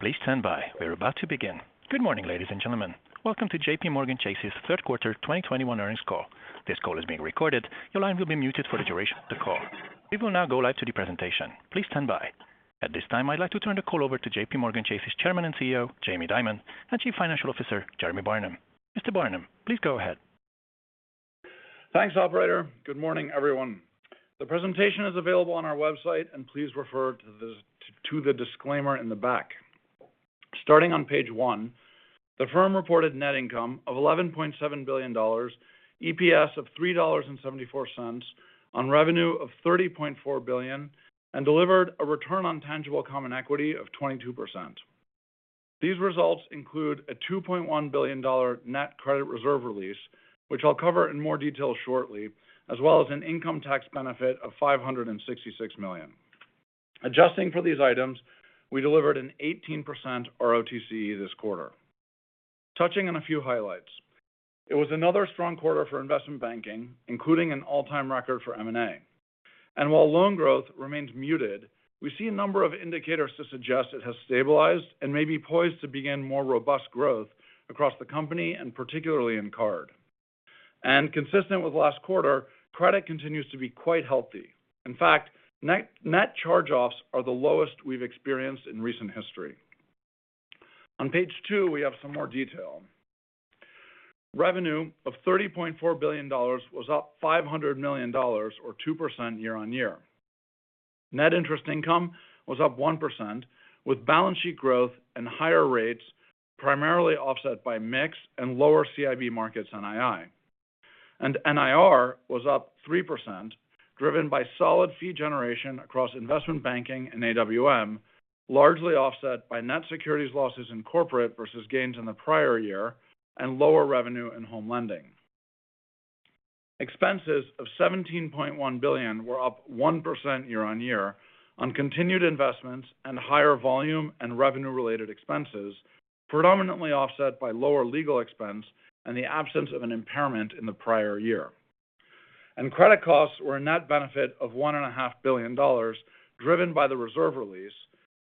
Please stand by, we're about to begin. Good morning, ladies and gentlemen. Welcome to JPMorgan Chase's third quarter 2021 earnings call. This call is being recorded. Your line will be muted for the duration of the call. We will now go live to the presentation. At this time, I'd like to turn the call over to JPMorgan Chase's Chairman and CEO, Jamie Dimon, and Chief Financial Officer, Jeremy Barnum. Mr. Barnum, please go ahead. Thanks, operator. Good morning, everyone. The presentation is available on our website, and please refer to the disclaimer in the back. Starting on page one, the firm reported net income of $11.7 billion, EPS of $3.74 on revenue of $30.4 billion, and delivered a return on tangible common equity of 22%. These results include a $2.1 billion net credit reserve release, which I'll cover in more detail shortly, as well as an income tax benefit of $566 million. Adjusting for these items, we delivered an 18% ROTCE this quarter. Touching on a few highlights. It was another strong quarter for investment banking, including an all-time record for M&A. While loan growth remains muted, we see a number of indicators to suggest it has stabilized and may be poised to begin more robust growth across the company and particularly in card. Consistent with last quarter, credit continues to be quite healthy. In fact, net charge-offs are the lowest we've experienced in recent history. On page two, we have some more detail. Revenue of $30.4 billion was up $500 million or 2% year-on-year. Net interest income was up 1%, with balance sheet growth and higher rates primarily offset by mix and lower CIB markets NII. NIR was up 3%, driven by solid fee generation across investment banking and AWM, largely offset by net securities losses in corporate versus gains in the prior year, and lower revenue in home lending. Expenses of $17.1 billion were up 1% year-on-year on continued investments and higher volume and revenue-related expenses, predominantly offset by lower legal expense and the absence of an impairment in the prior year. Credit costs were a net benefit of $1.5 billion, driven by the reserve release,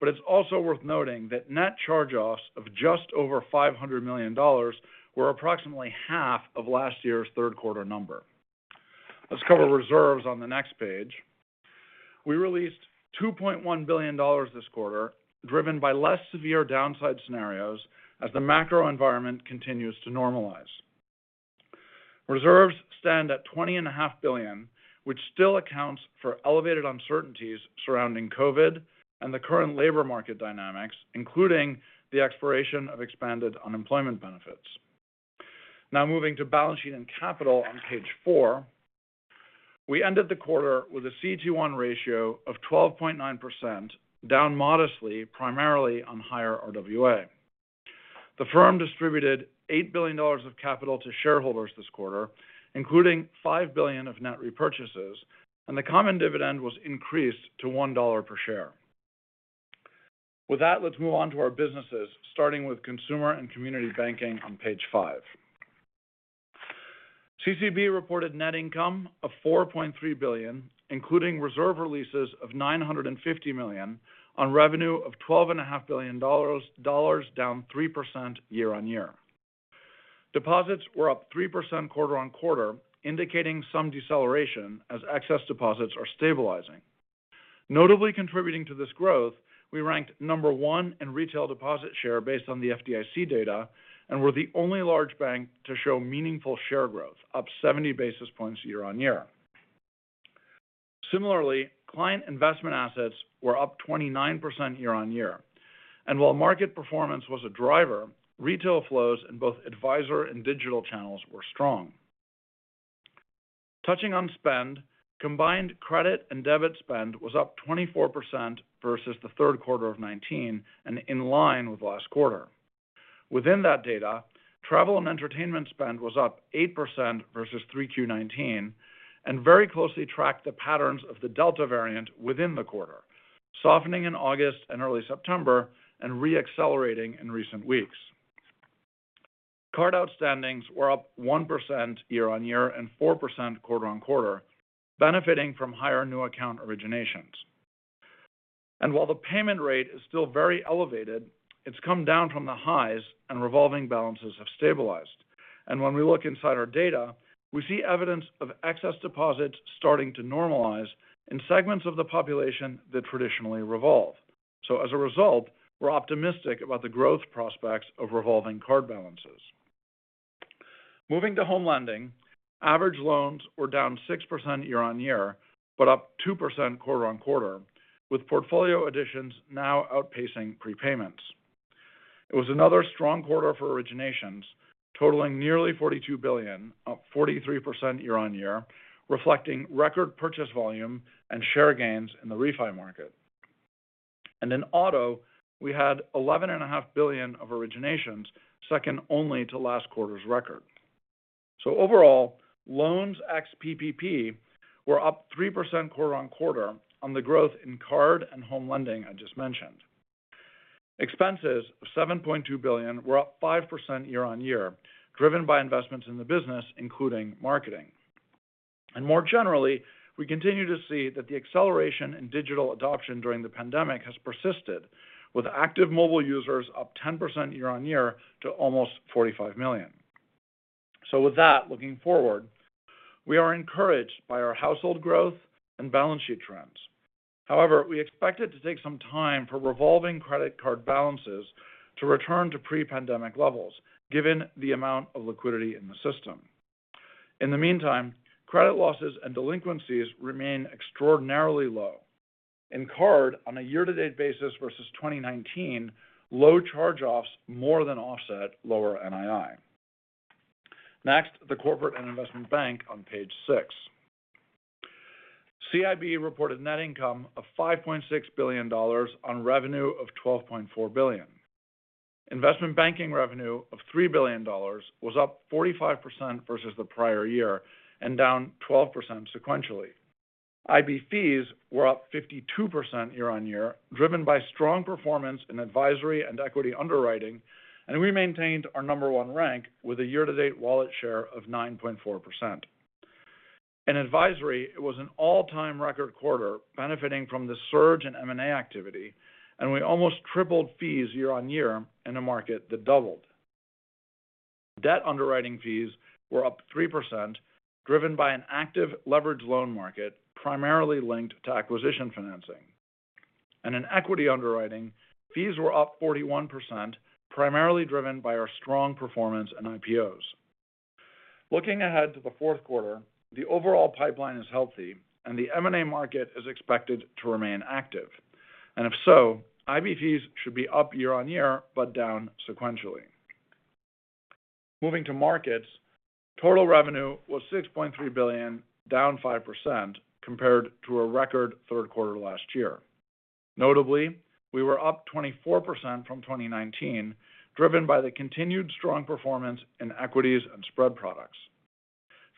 but it's also worth noting that net charge-offs of just over $500 million were approximately half of last year's third quarter number. Let's cover reserves on the next page. We released $2.1 billion this quarter, driven by less severe downside scenarios as the macro environment continues to normalize. Reserves stand at $20.5 billion, which still accounts for elevated uncertainties surrounding COVID and the current labor market dynamics, including the expiration of expanded unemployment benefits. Moving to balance sheet and capital on page four. We ended the quarter with a CET1 ratio of 12.9%, down modestly, primarily on higher RWA. The firm distributed $8 billion of capital to shareholders this quarter, including $5 billion of net repurchases. The common dividend was increased to $1 per share. With that, let's move on to our businesses, starting with Consumer and Community Banking on page five. CCB reported net income of $4.3 billion, including reserve releases of $950 million on revenue of $12.5 billion, down 3% year-on-year. Deposits were up 3% quarter-on-quarter, indicating some deceleration as excess deposits are stabilizing. Notably contributing to this growth, we ranked number one in retail deposit share based on the FDIC data and were the only large bank to show meaningful share growth, up 70 basis points year-on-year. Similarly, client investment assets were up 29% year-on-year. While market performance was a driver, retail flows in both advisor and digital channels were strong. Touching on spend, combined credit and debit spend was up 24% versus the third quarter of 2019 and in line with last quarter. Within that data, travel and entertainment spend was up 8% versus Q3 2019 and very closely tracked the patterns of the Delta variant within the quarter, softening in August and early September and re-accelerating in recent weeks. Card outstandings were up 1% year-on-year and 4% quarter-on-quarter, benefiting from higher new account originations. While the payment rate is still very elevated, it's come down from the highs, and revolving balances have stabilized. When we look inside our data, we see evidence of excess deposits starting to normalize in segments of the population that traditionally revolve. As a result, we're optimistic about the growth prospects of revolving card balances. Moving to home lending, average loans were down 6% year-on-year, but up 2% quarter-on-quarter, with portfolio additions now outpacing prepayments. It was another strong quarter for originations, totaling nearly $42 billion, up 43% year-on-year, reflecting record purchase volume and share gains in the refi market. In auto, we had $11.5 billion of originations, second only to last quarter's record. Overall, loans ex-PPP were up 3% quarter-on-quarter on the growth in card and home lending I just mentioned. Expenses of $7.2 billion were up 5% year-on-year, driven by investments in the business, including marketing. More generally, we continue to see that the acceleration in digital adoption during the pandemic has persisted, with active mobile users up 10% year-on-year to almost 45 million. With that, looking forward, we are encouraged by our household growth and balance sheet trends. However, we expect it to take some time for revolving credit card balances to return to pre-pandemic levels, given the amount of liquidity in the system. In the meantime, credit losses and delinquencies remain extraordinarily low. In card, on a year-to-date basis versus 2019, low charge-offs more than offset lower NII. The Corporate & Investment Bank on page six. CIB reported net income of $5.6 billion on revenue of $12.4 billion. Investment Banking revenue of $3 billion was up 45% versus the prior year and down 12% sequentially. IB fees were up 52% year-on-year, driven by strong performance in Advisory and Equity Underwriting, and we maintained our number one rank with a year-to-date wallet share of 9.4%. In Advisory, it was an all-time record quarter benefiting from the surge in M&A activity, and we almost tripled fees year-on-year in a market that doubled. Debt Underwriting fees were up 3%, driven by an active leverage loan market, primarily linked to acquisition financing. In equity underwriting, fees were up 41%, primarily driven by our strong performance in IPOs. Looking ahead to the fourth quarter, the overall pipeline is healthy, and the M&A market is expected to remain active. If so, IB fees should be up year-on-year, but down sequentially. Moving to markets, total revenue was $6.3 billion, down 5%, compared to a record third quarter last year. Notably, we were up 24% from 2019, driven by the continued strong performance in equities and spread products.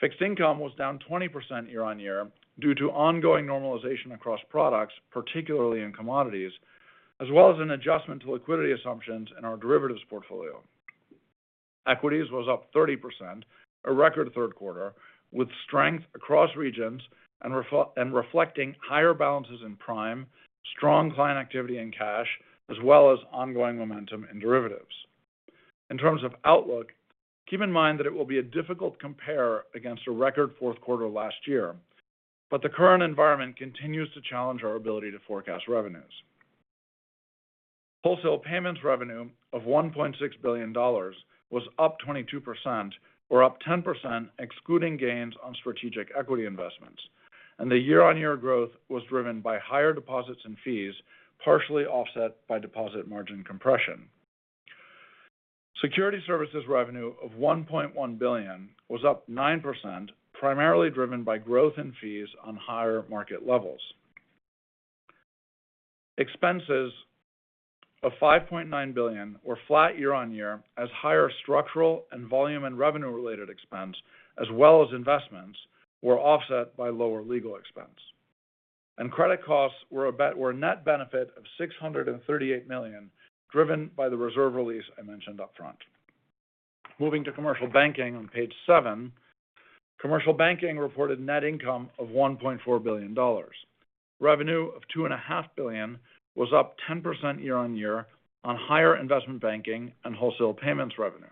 Fixed income was down 20% year-on-year due to ongoing normalization across products, particularly in commodities, as well as an adjustment to liquidity assumptions in our derivatives portfolio. Equities was up 30%, a record third quarter, with strength across regions and reflecting higher balances in prime, strong client activity and cash, as well as ongoing momentum in derivatives. In terms of outlook, keep in mind that it will be a difficult compare against a record fourth quarter last year, but the current environment continues to challenge our ability to forecast revenues. Wholesale payments revenue of $1.6 billion was up 22%, or up 10% excluding gains on strategic equity investments. The year-on-year growth was driven by higher deposits and fees, partially offset by deposit margin compression. Security services revenue of $1.1 billion was up 9%, primarily driven by growth in fees on higher market levels. Expenses of $5.9 billion were flat year-on-year as higher structural and volume and revenue-related expense, as well as investments, were offset by lower legal expense. Credit costs were a net benefit of $638 million, driven by the reserve release I mentioned upfront. Moving to Commercial Banking on page seven. Commercial Banking reported net income of $1.4 billion. Revenue of $2.5 billion was up 10% year-over-year on higher investment banking and wholesale payments revenue.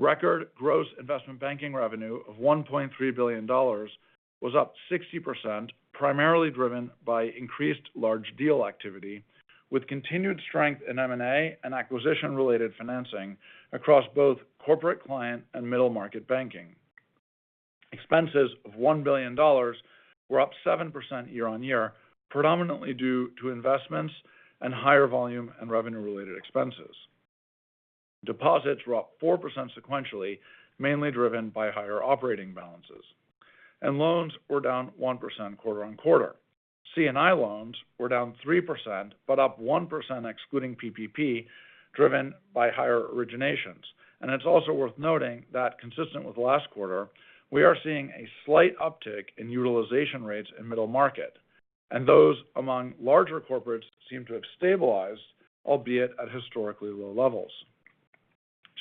Record gross investment banking revenue of $1.3 billion was up 60%, primarily driven by increased large deal activity, with continued strength in M&A and acquisition-related financing across both corporate client and middle market banking. Expenses of $1 billion were up 7% year-on-year, predominantly due to investments and higher volume in revenue-related expenses. Deposits were up 4% sequentially, mainly driven by higher operating balances. Loans were down 1% quarter-on-quarter. C&I loans were down 3%, but up 1% excluding PPP, driven by higher originations. It's also worth noting that consistent with last quarter, we are seeing a slight uptick in utilization rates in middle market, and those among larger corporates seem to have stabilized, albeit at historically low levels.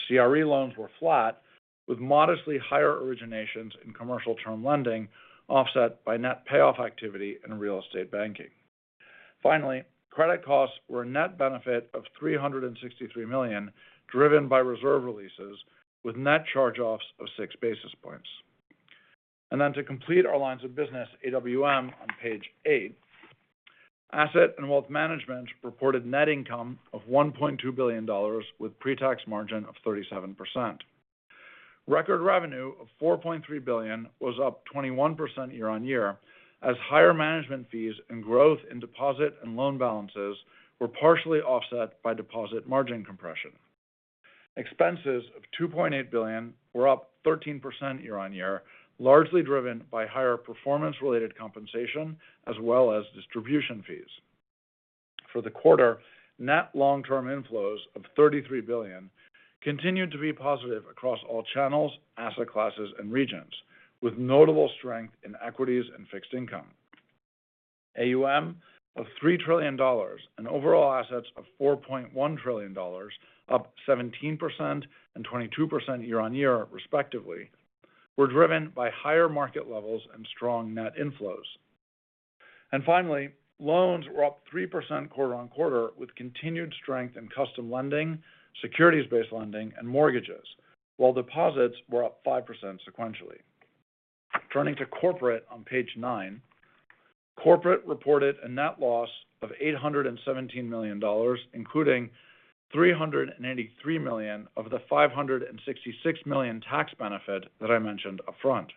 CRE loans were flat, with modestly higher originations in commercial term lending offset by net payoff activity in real estate banking. Finally, credit costs were a net benefit of $363 million, driven by reserve releases with net charge-offs of 6 basis points. To complete our lines of business, AWM on page eight. Asset and Wealth Management reported net income of $1.2 billion with pre-tax margin of 37%. Record revenue of $4.3 billion was up 21% year-on-year, as higher management fees and growth in deposit and loan balances were partially offset by deposit margin compression. Expenses of $2.8 billion were up 13% year-on-year, largely driven by higher performance-related compensation as well as distribution fees. For the quarter, net long-term inflows of $33 billion continued to be positive across all channels, asset classes, and regions, with notable strength in equities and fixed income. AUM of $3 trillion and overall assets of $4.1 trillion, up 17% and 22% year-on-year respectively, were driven by higher market levels and strong net inflows. Finally, loans were up 3% quarter-on-quarter with continued strength in custom lending, securities-based lending, and mortgages, while deposits were up 5% sequentially. Turning to corporate on page nine. Corporate reported a net loss of $817 million, including $383 million of the $566 million tax benefit that I mentioned upfront.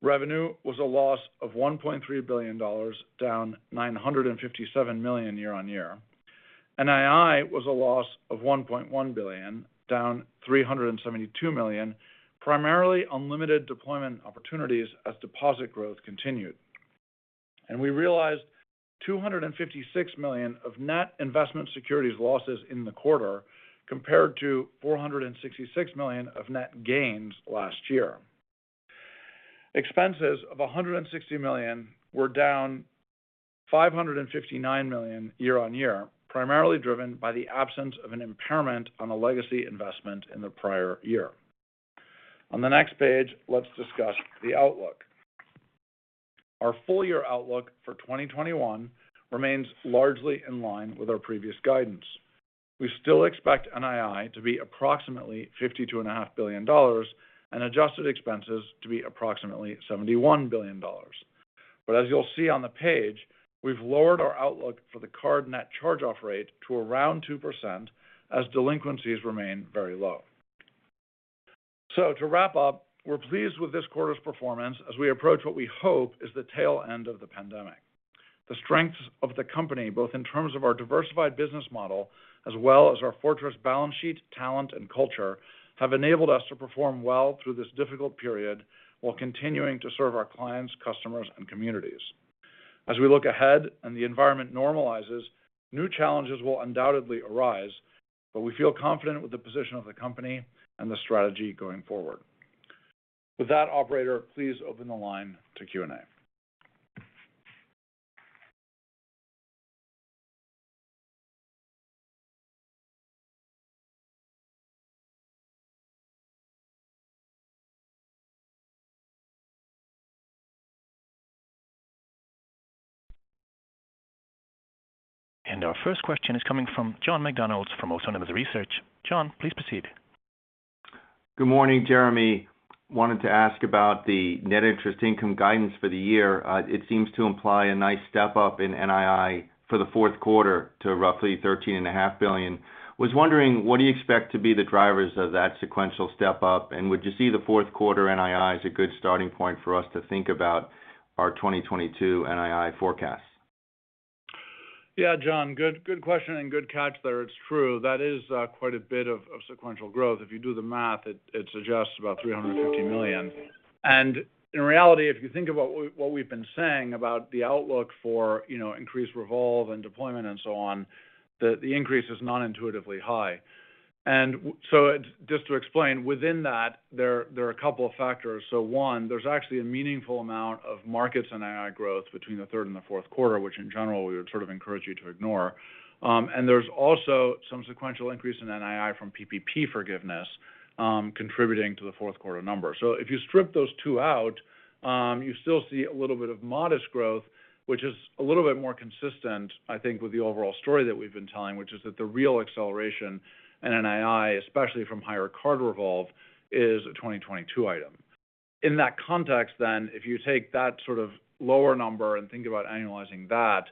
Revenue was a loss of $1.3 billion, down $957 million year-on-year. NII was a loss of $1.1 billion, down $372 million, primarily on limited deployment opportunities as deposit growth continued. We realized $256 million of net investment securities losses in the quarter compared to $466 million of net gains last year. Expenses of $160 million were down $559 million year-on-year, primarily driven by the absence of an impairment on a legacy investment in the prior year. On the next page, let's discuss the outlook. Our full-year outlook for 2021 remains largely in line with our previous guidance. We still expect NII to be approximately $52.5 billion and adjusted expenses to be approximately $71 billion. As you'll see on the page, we've lowered our outlook for the card net charge-off rate to around 2% as delinquencies remain very low. To wrap up, we're pleased with this quarter's performance as we approach what we hope is the tail end of the pandemic. The strengths of the company, both in terms of our diversified business model as well as our fortress balance sheet, talent, and culture, have enabled us to perform well through this difficult period while continuing to serve our clients, customers, and communities. As we look ahead and the environment normalizes, new challenges will undoubtedly arise, but we feel confident with the position of the company and the strategy going forward. With that, operator, please open the line to Q&A. Our first question is coming from John McDonald from Autonomous Research. John, please proceed. Good morning, Jeremy. Wanted to ask about the net interest income guidance for the year. It seems to imply a nice step-up in NII for the fourth quarter to roughly $13.5 billion. Was wondering, what do you expect to be the drivers of that sequential step-up, and would you see the fourth quarter NII as a good starting point for us to think about our 2022 NII forecast? Yeah, John. Good question and good catch there. It's true. That is quite a bit of sequential growth. If you do the math, it suggests about $350 million. In reality, if you think about what we've been saying about the outlook for increased revolve and deployment and so on, the increase is non-intuitively high. Just to explain, within that, there are a couple of factors. One, there's actually a meaningful amount of markets in NII growth between the third and the fourth quarter, which in general, we would sort of encourage you to ignore. There's also some sequential increase in NII from PPP forgiveness contributing to the fourth quarter number. If you strip those two out, you still see a little bit of modest growth, which is a little bit more consistent, I think, with the overall story that we've been telling, which is that the real acceleration in NII, especially from higher card revolve, is a 2022 item. In that context, if you take that sort of lower number and think about annualizing that,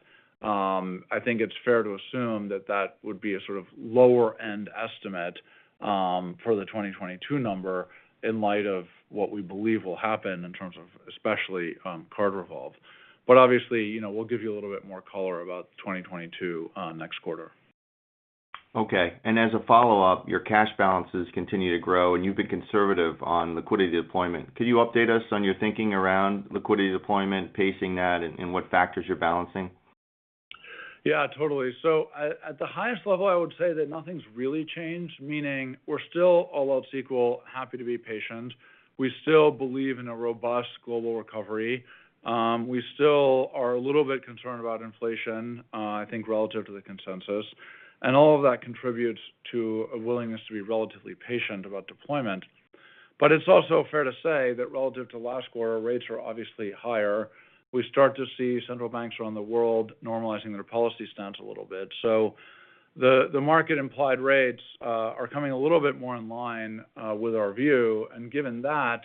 I think it's fair to assume that that would be a sort of lower-end estimate for the 2022 number in light of what we believe will happen in terms of especially card revolve. Obviously, we'll give you a little bit more color about 2022 next quarter. Okay. As a follow-up, your cash balances continue to grow, and you've been conservative on liquidity deployment. Could you update us on your thinking around liquidity deployment, pacing that, and what factors you're balancing? Totally. At the highest level, I would say that nothing's really changed, meaning we're still, all else equal, happy to be patient. We still believe in a robust global recovery. We still are a little bit concerned about inflation, I think, relative to the consensus. All of that contributes to a willingness to be relatively patient about deployment. It's also fair to say that relative to last quarter, rates are obviously higher. We start to see central banks around the world normalizing their policy stance a little bit. The market-implied rates are coming a little bit more in line with our view. Given that,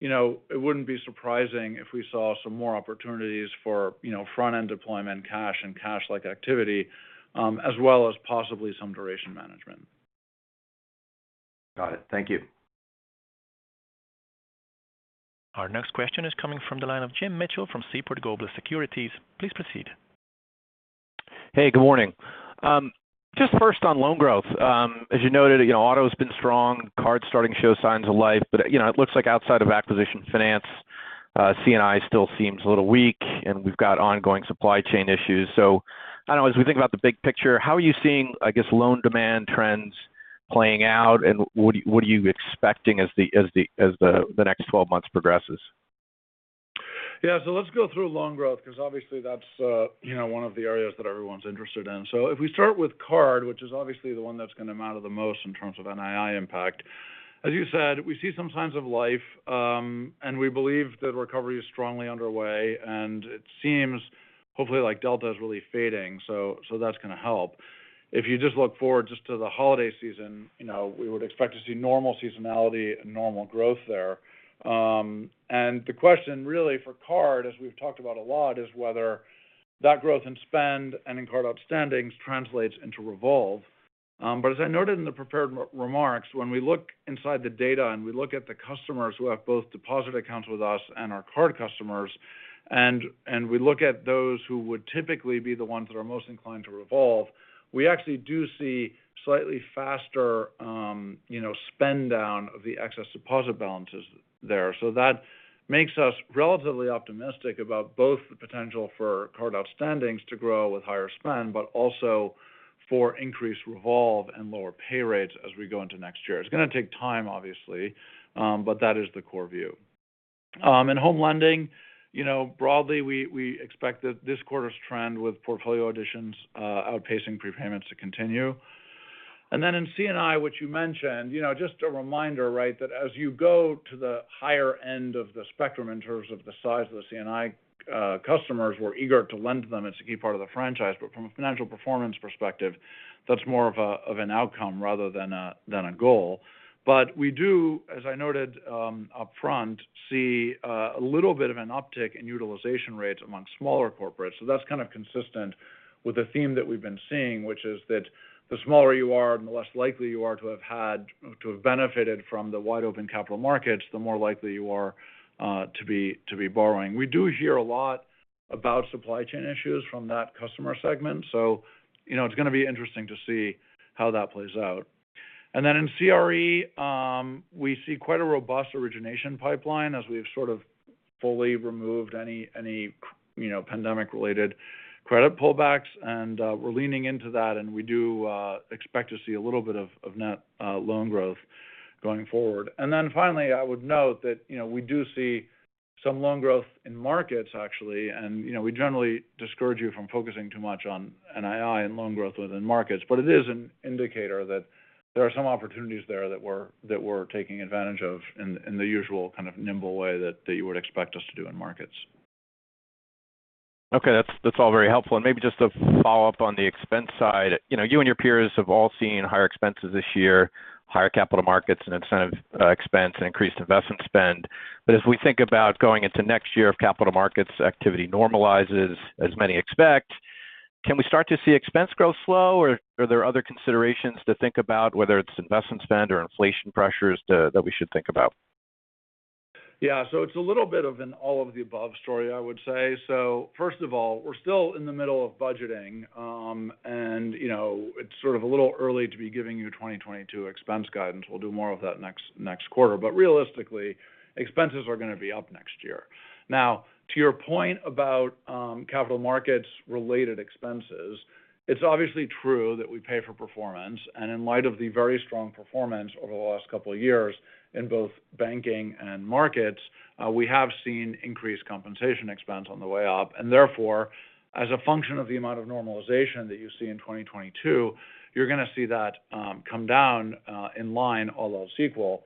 it wouldn't be surprising if we saw some more opportunities for front-end deployment, cash and cash-like activity, as well as possibly some duration management. Got it. Thank you. Our next question is coming from the line of Jim Mitchell from Seaport Global Securities. Please proceed. Hey, good morning. First on loan growth. As you noted, auto's been strong, card starting to show signs of life, but it looks like outside of acquisition finance, C&I still seems a little weak, and we've got ongoing supply chain issues. As we think about the big picture, how are you seeing loan demand trends playing out, and what are you expecting as the next 12 months progresses? Yeah. Let's go through loan growth because obviously that's one of the areas that everyone's interested in. If we start with card, which is obviously the one that's going to matter the most in terms of NII impact. As you said, we see some signs of life, and we believe that recovery is strongly underway, and it seems hopefully like Delta is really fading, so that's going to help. If you just look forward just to the holiday season, we would expect to see normal seasonality and normal growth there. The question really for card, as we've talked about a lot, is whether that growth in spend and in card outstandings translates into revolve. As I noted in the prepared remarks, when we look inside the data and we look at the customers who have both deposit accounts with us and are card customers, and we look at those who would typically be the ones that are most inclined to revolve, we actually do see slightly faster spend down of the excess deposit balances there. That makes us relatively optimistic about both the potential for card outstandings to grow with higher spend, but also for increased revolve and lower pay rates as we go into next year. It's going to take time, obviously, but that is the core view. In home lending, broadly, we expect that this quarter's trend with portfolio additions outpacing prepayments to continue. Then in C&I, which you mentioned, just a reminder that as you go to the higher end of the spectrum in terms of the size of the C&I customers, we're eager to lend to them. From a financial performance perspective, that's more of an outcome rather than a goal. We do, as I noted upfront, see a little bit of an uptick in utilization rates among smaller corporates. That's kind of consistent with the theme that we've been seeing, which is that the smaller you are, the less likely you are to have benefited from the wide-open capital markets, the more likely you are to be borrowing. We do hear a lot about supply chain issues from that customer segment, so it's going to be interesting to see how that plays out. In CRE, we see quite a robust origination pipeline as we've sort of fully removed any pandemic-related credit pullbacks, and we're leaning into that, and we do expect to see a little bit of net loan growth going forward. Finally, I would note that we do see some loan growth in markets, actually, and we generally discourage you from focusing too much on NII and loan growth within markets. It is an indicator that there are some opportunities there that we're taking advantage of in the usual kind of nimble way that you would expect us to do in markets. Okay. That's all very helpful. Maybe just to follow up on the expense side. You and your peers have all seen higher expenses this year, higher capital markets, and incentive expense, and increased investment spend. As we think about going into next year, if capital markets activity normalizes as many expect, can we start to see expense growth slow, or are there other considerations to think about, whether it's investment spend or inflation pressures that we should think about? It's a little bit of an all-of-the-above story, I would say. It's a little early to be giving you 2022 expense guidance. We'll do more of that next quarter. Realistically, expenses are going to be up next year. Now, to your point about capital markets-related expenses, it's obviously true that we pay for performance, and in light of the very strong performance over the last couple of years in both banking and markets, we have seen increased compensation expense on the way up. Therefore, as a function of the amount of normalization that you see in 2022, you're going to see that come down in line, all else equal.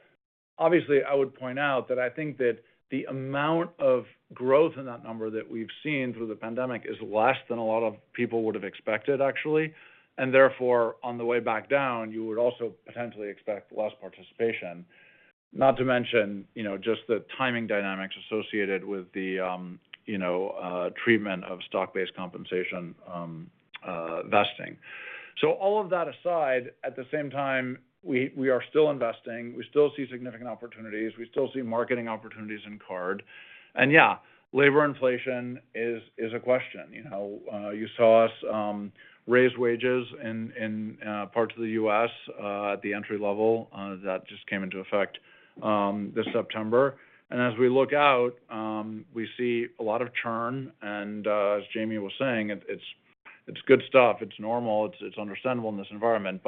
Obviously, I would point out that I think that the amount of growth in that number that we've seen through the pandemic is less than a lot of people would have expected, actually. Therefore, on the way back down, you would also potentially expect less participation. Not to mention just the timing dynamics associated with the treatment of stock-based compensation vesting. All of that aside, at the same time, we are still investing. We still see significant opportunities. We still see marketing opportunities in card. Yeah, labor inflation is a question. You saw us raise wages in parts of the U.S. at the entry level. That just came into effect this September. As we look out, we see a lot of churn, as Jamie was saying, it's good stuff. It's normal. It's understandable in this environment.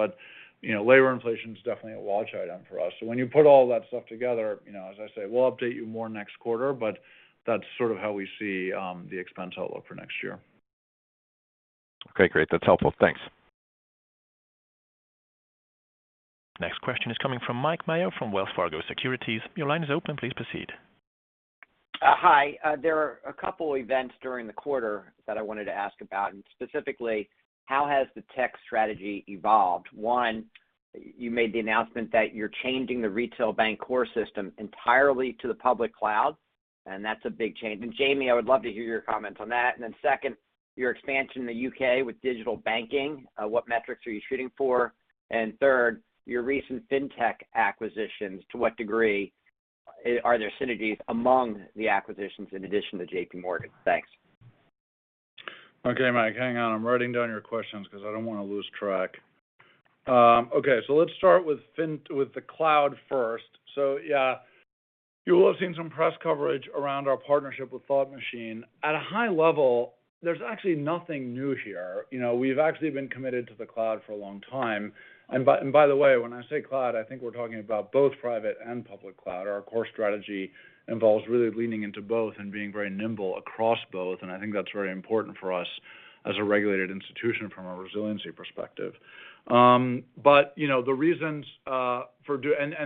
Labor inflation is definitely a watch item for us. When you put all that stuff together, as I say, we'll update you more next quarter, but that's sort of how we see the expense outlook for next year. Okay, great. That's helpful. Thanks. Next question is coming from Mike Mayo from Wells Fargo Securities. Your line is open. Please proceed. Hi. There are a couple events during the quarter that I wanted to ask about. Specifically, how has the tech strategy evolved? One, you made the announcement that you're changing the retail bank core system entirely to the public cloud. That's a big change. Jamie, I would love to hear your comments on that. Second, your expansion in the U.K. with digital banking, what metrics are you shooting for? Third, your recent fintech acquisitions, to what degree are there synergies among the acquisitions in addition to JPMorgan Chase? Thanks. Okay, Mike. Hang on. I'm writing down your questions because I don't want to lose track. Okay, let's start with the cloud first. You will have seen some press coverage around our partnership with Thought Machine. At a high level, there's actually nothing new here. We've actually been committed to the cloud for a long time. By the way, when I say cloud, I think we're talking about both private and public cloud. Our core strategy involves really leaning into both and being very nimble across both. I think that's very important for us as a regulated institution from a resiliency perspective.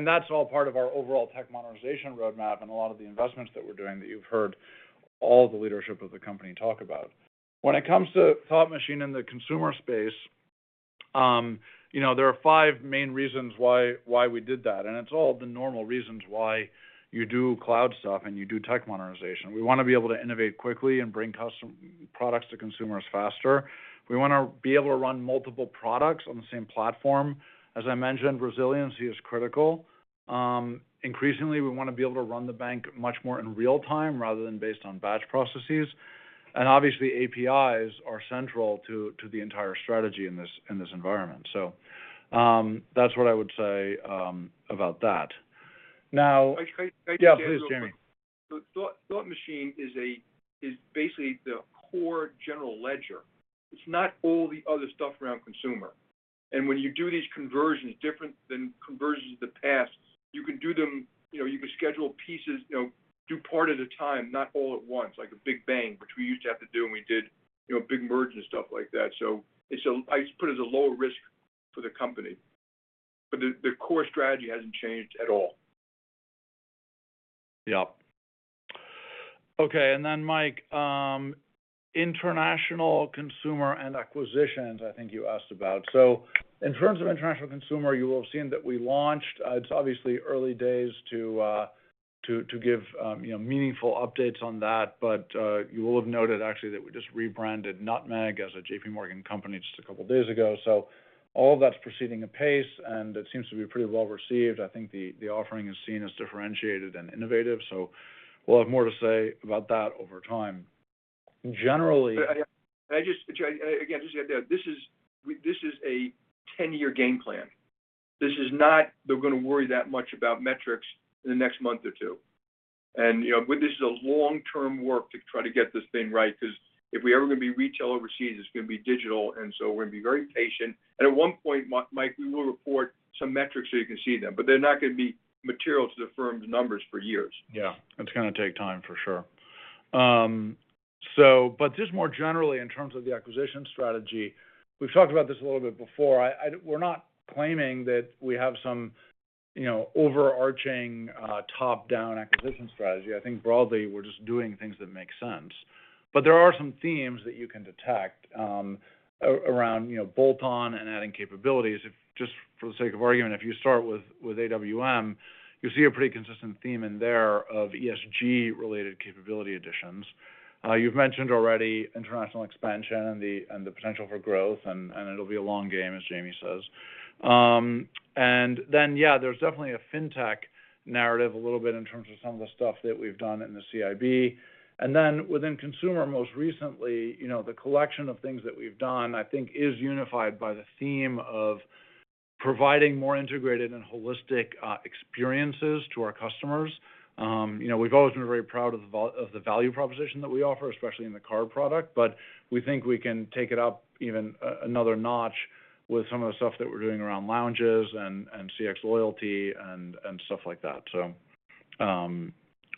That's all part of our overall tech modernization roadmap and a lot of the investments that we're doing that you've heard all the leadership of the company talk about. When it comes to Thought Machine in the consumer space, there are five main reasons why we did that, and it's all the normal reasons why you do cloud stuff and you do tech modernization. We want to be able to innovate quickly and bring products to consumers faster. We want to be able to run multiple products on the same platform. As I mentioned, resiliency is critical. Increasingly, we want to be able to run the bank much more in real time rather than based on batch processes. Obviously, APIs are central to the entire strategy in this environment. That's what I would say about that. Can I just add real quick? Yeah, please, Jamie. Thought Machine is basically the core general ledger. It's not all the other stuff around consumer. When you do these conversions, different than conversions of the past, you can do them, you can schedule pieces, do part at a time, not all at once like a big bang, which we used to have to do when we did a big merge and stuff like that. I put it as a lower risk for the company. The core strategy hasn't changed at all. Yeah. Okay, Mike, international consumer and acquisitions, I think you asked about. In terms of international consumer, you will have seen that we launched. It's obviously early days to give meaningful updates on that. You will have noted actually that we just rebranded Nutmeg as a JPMorgan Chase company just a couple of days ago. All that's proceeding at pace, and it seems to be pretty well-received. I think the offering is seen as differentiated and innovative. We'll have more to say about that over time. Just to add to that, this is a 10-year game plan. This is not they're going to worry that much about metrics in the next month or two. This is a long-term work to try to get this thing right because if we're ever going to be retail overseas, it's going to be digital, and so we're going to be very patient. At one point, Mike, we will report some metrics so you can see them, but they're not going to be material to the firm's numbers for years. Yeah. It's going to take time for sure. Just more generally in terms of the acquisition strategy, we've talked about this a little bit before. I think broadly, we're just doing things that make sense. There are some themes that you can detect around bolt-on and adding capabilities. Just for the sake of argument, if you start with AWM, you see a pretty consistent theme in there of ESG-related capability additions. You've mentioned already international expansion and the potential for growth, it'll be a long game, as Jamie says. Then, yeah, there's definitely a fintech narrative a little bit in terms of some of the stuff that we've done in the CIB. Within consumer, most recently, the collection of things that we've done, I think is unified by the theme of providing more integrated and holistic experiences to our customers. We've always been very proud of the value proposition that we offer, especially in the card product, but we think we can take it up even another notch with some of the stuff that we're doing around lounges and CX loyalty and stuff like that.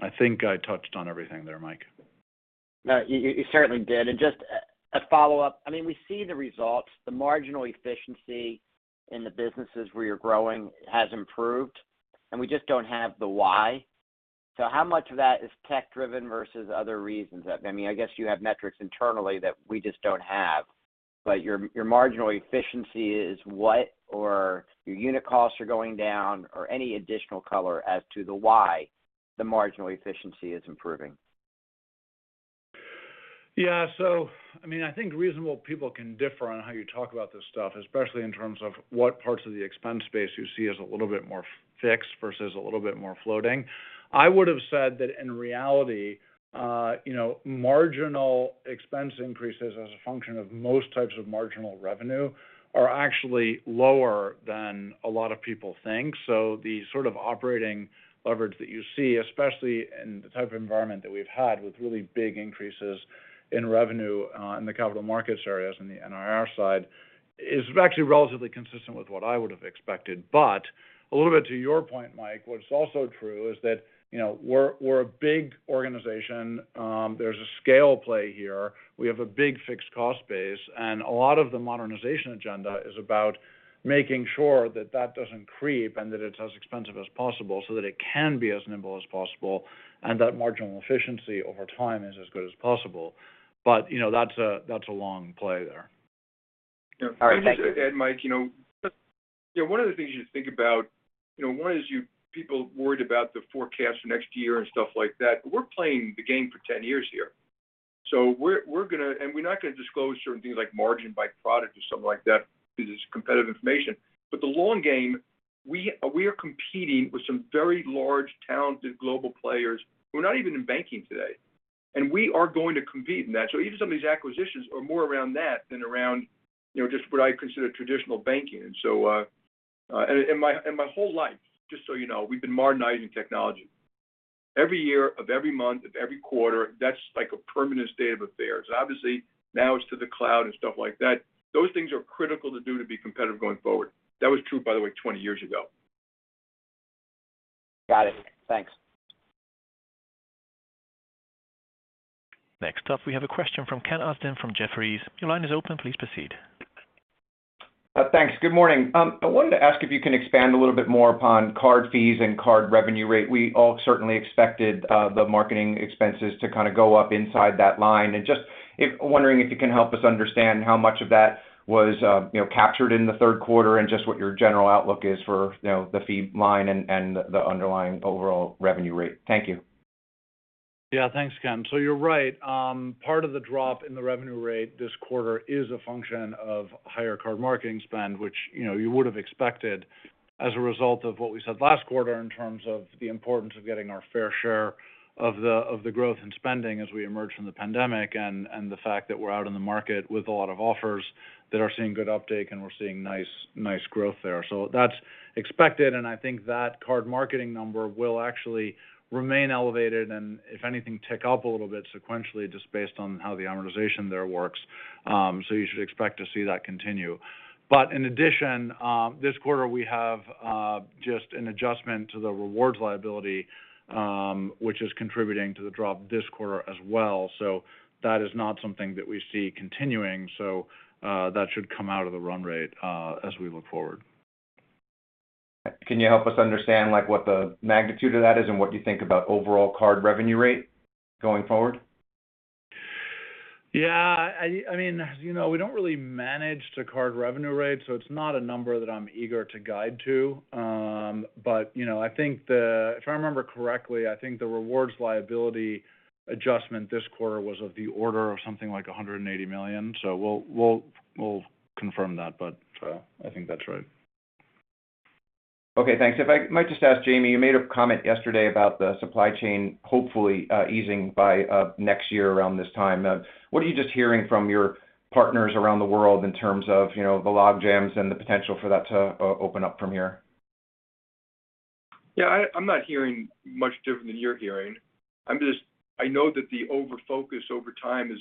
I think I touched on everything there, Mike. No, you certainly did. Just a follow-up. We see the results. The marginal efficiency in the businesses where you're growing has improved, and we just don't have the why. How much of that is tech-driven versus other reasons? I guess you have metrics internally that we just don't have. Your marginal efficiency is what, or your unit costs are going down, or any additional color as to the why the marginal efficiency is improving? Yeah. I think reasonable people can differ on how you talk about this stuff, especially in terms of what parts of the expense base you see as a little bit more fixed versus a little bit more floating. I would have said that in reality, marginal expense increases as a function of most types of marginal revenue are actually lower than a lot of people think. The sort of operating leverage that you see, especially in the type of environment that we've had with really big increases in revenue in the capital markets areas and the NII side, is actually relatively consistent with what I would have expected. A little bit to your point, Mike, what's also true is that we're a big organization. There's a scale play here. We have a big fixed cost base. A lot of the modernization agenda is about making sure that that doesn't creep and that it's as expensive as possible so that it can be as nimble as possible, and that marginal efficiency over time is as good as possible. That's a long play there. All right. Thank you. I'd just add, Mike, one of the things you think about, one is people worried about the forecast for next year and stuff like that. We're playing the game for 10 years here. We're not going to disclose certain things like margin by product or something like that because it's competitive information. The long game, we are competing with some very large, talented global players who are not even in banking today. We are going to compete in that. Even some of these acquisitions are more around that than around just what I consider traditional banking. My whole life, just so you know, we've been modernizing technology. Every year of every month, of every quarter, that's like a permanent state of affairs. Obviously, now it's to the cloud and stuff like that. Those things are critical to do to be competitive going forward. That was true, by the way, 20 years ago. Got it. Thanks. Next up, we have a question from Ken Usdin from Jefferies. Your line is open. Please proceed. Thanks. Good morning. I wanted to ask if you can expand a little bit more upon card fees and card revenue rate. We all certainly expected the marketing expenses to kind of go up inside that line. Just wondering if you can help us understand how much of that was captured in the third quarter and just what your general outlook is for the fee line and the underlying overall revenue rate. Thank you. Thanks, Ken. You're right. Part of the drop in the revenue rate this quarter is a function of higher card marketing spend, which you would have expected as a result of what we said last quarter in terms of the importance of getting our fair share of the growth in spending as we emerge from the pandemic, and the fact that we're out in the market with a lot of offers that are seeing good uptake, and we're seeing nice growth there. That's expected, and I think that card marketing number will actually remain elevated and, if anything, tick up a little bit sequentially just based on how the amortization there works. You should expect to see that continue. In addition, this quarter we have just an adjustment to the rewards liability which is contributing to the drop this quarter as well. That is not something that we see continuing. That should come out of the run rate as we look forward. Can you help us understand what the magnitude of that is and what you think about overall card revenue rate going forward? We don't really manage the card revenue rate, so it's not a number that I'm eager to guide to. If I remember correctly, I think the rewards liability adjustment this quarter was of the order of something like $180 million. We'll confirm that, but I think that's right. Okay. Thanks. If I might just ask, Jamie, you made a comment yesterday about the supply chain hopefully easing by next year around this time. What are you just hearing from your partners around the world in terms of the logjams and the potential for that to open up from here? Yeah, I'm not hearing much different than you're hearing. I know that the over-focus over time is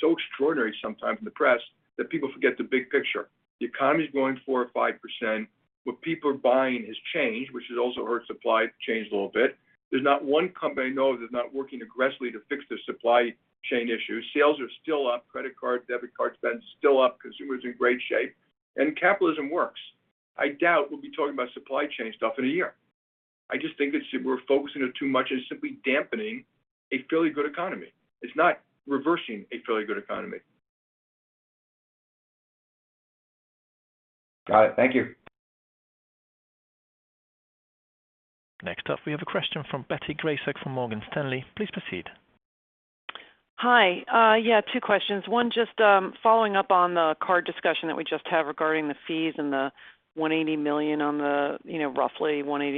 so extraordinary sometimes in the press that people forget the big picture. The economy's growing 4% or 5%. What people are buying has changed, which has also hurt supply to change a little bit. There's not one company I know that's not working aggressively to fix their supply chain issues. Sales are still up. Credit card, debit card spend is still up. Consumer's in great shape. Capitalism works. I doubt we'll be talking about supply chain stuff in a year. I just think that we're focusing it too much and it's simply dampening a fairly good economy. It's not reversing a fairly good economy. Got it. Thank you. Next up, we have a question from Betsy Graseck from Morgan Stanley. Please proceed. Hi. Yeah, two questions. One, just following up on the card discussion that we just had regarding the fees and the roughly $180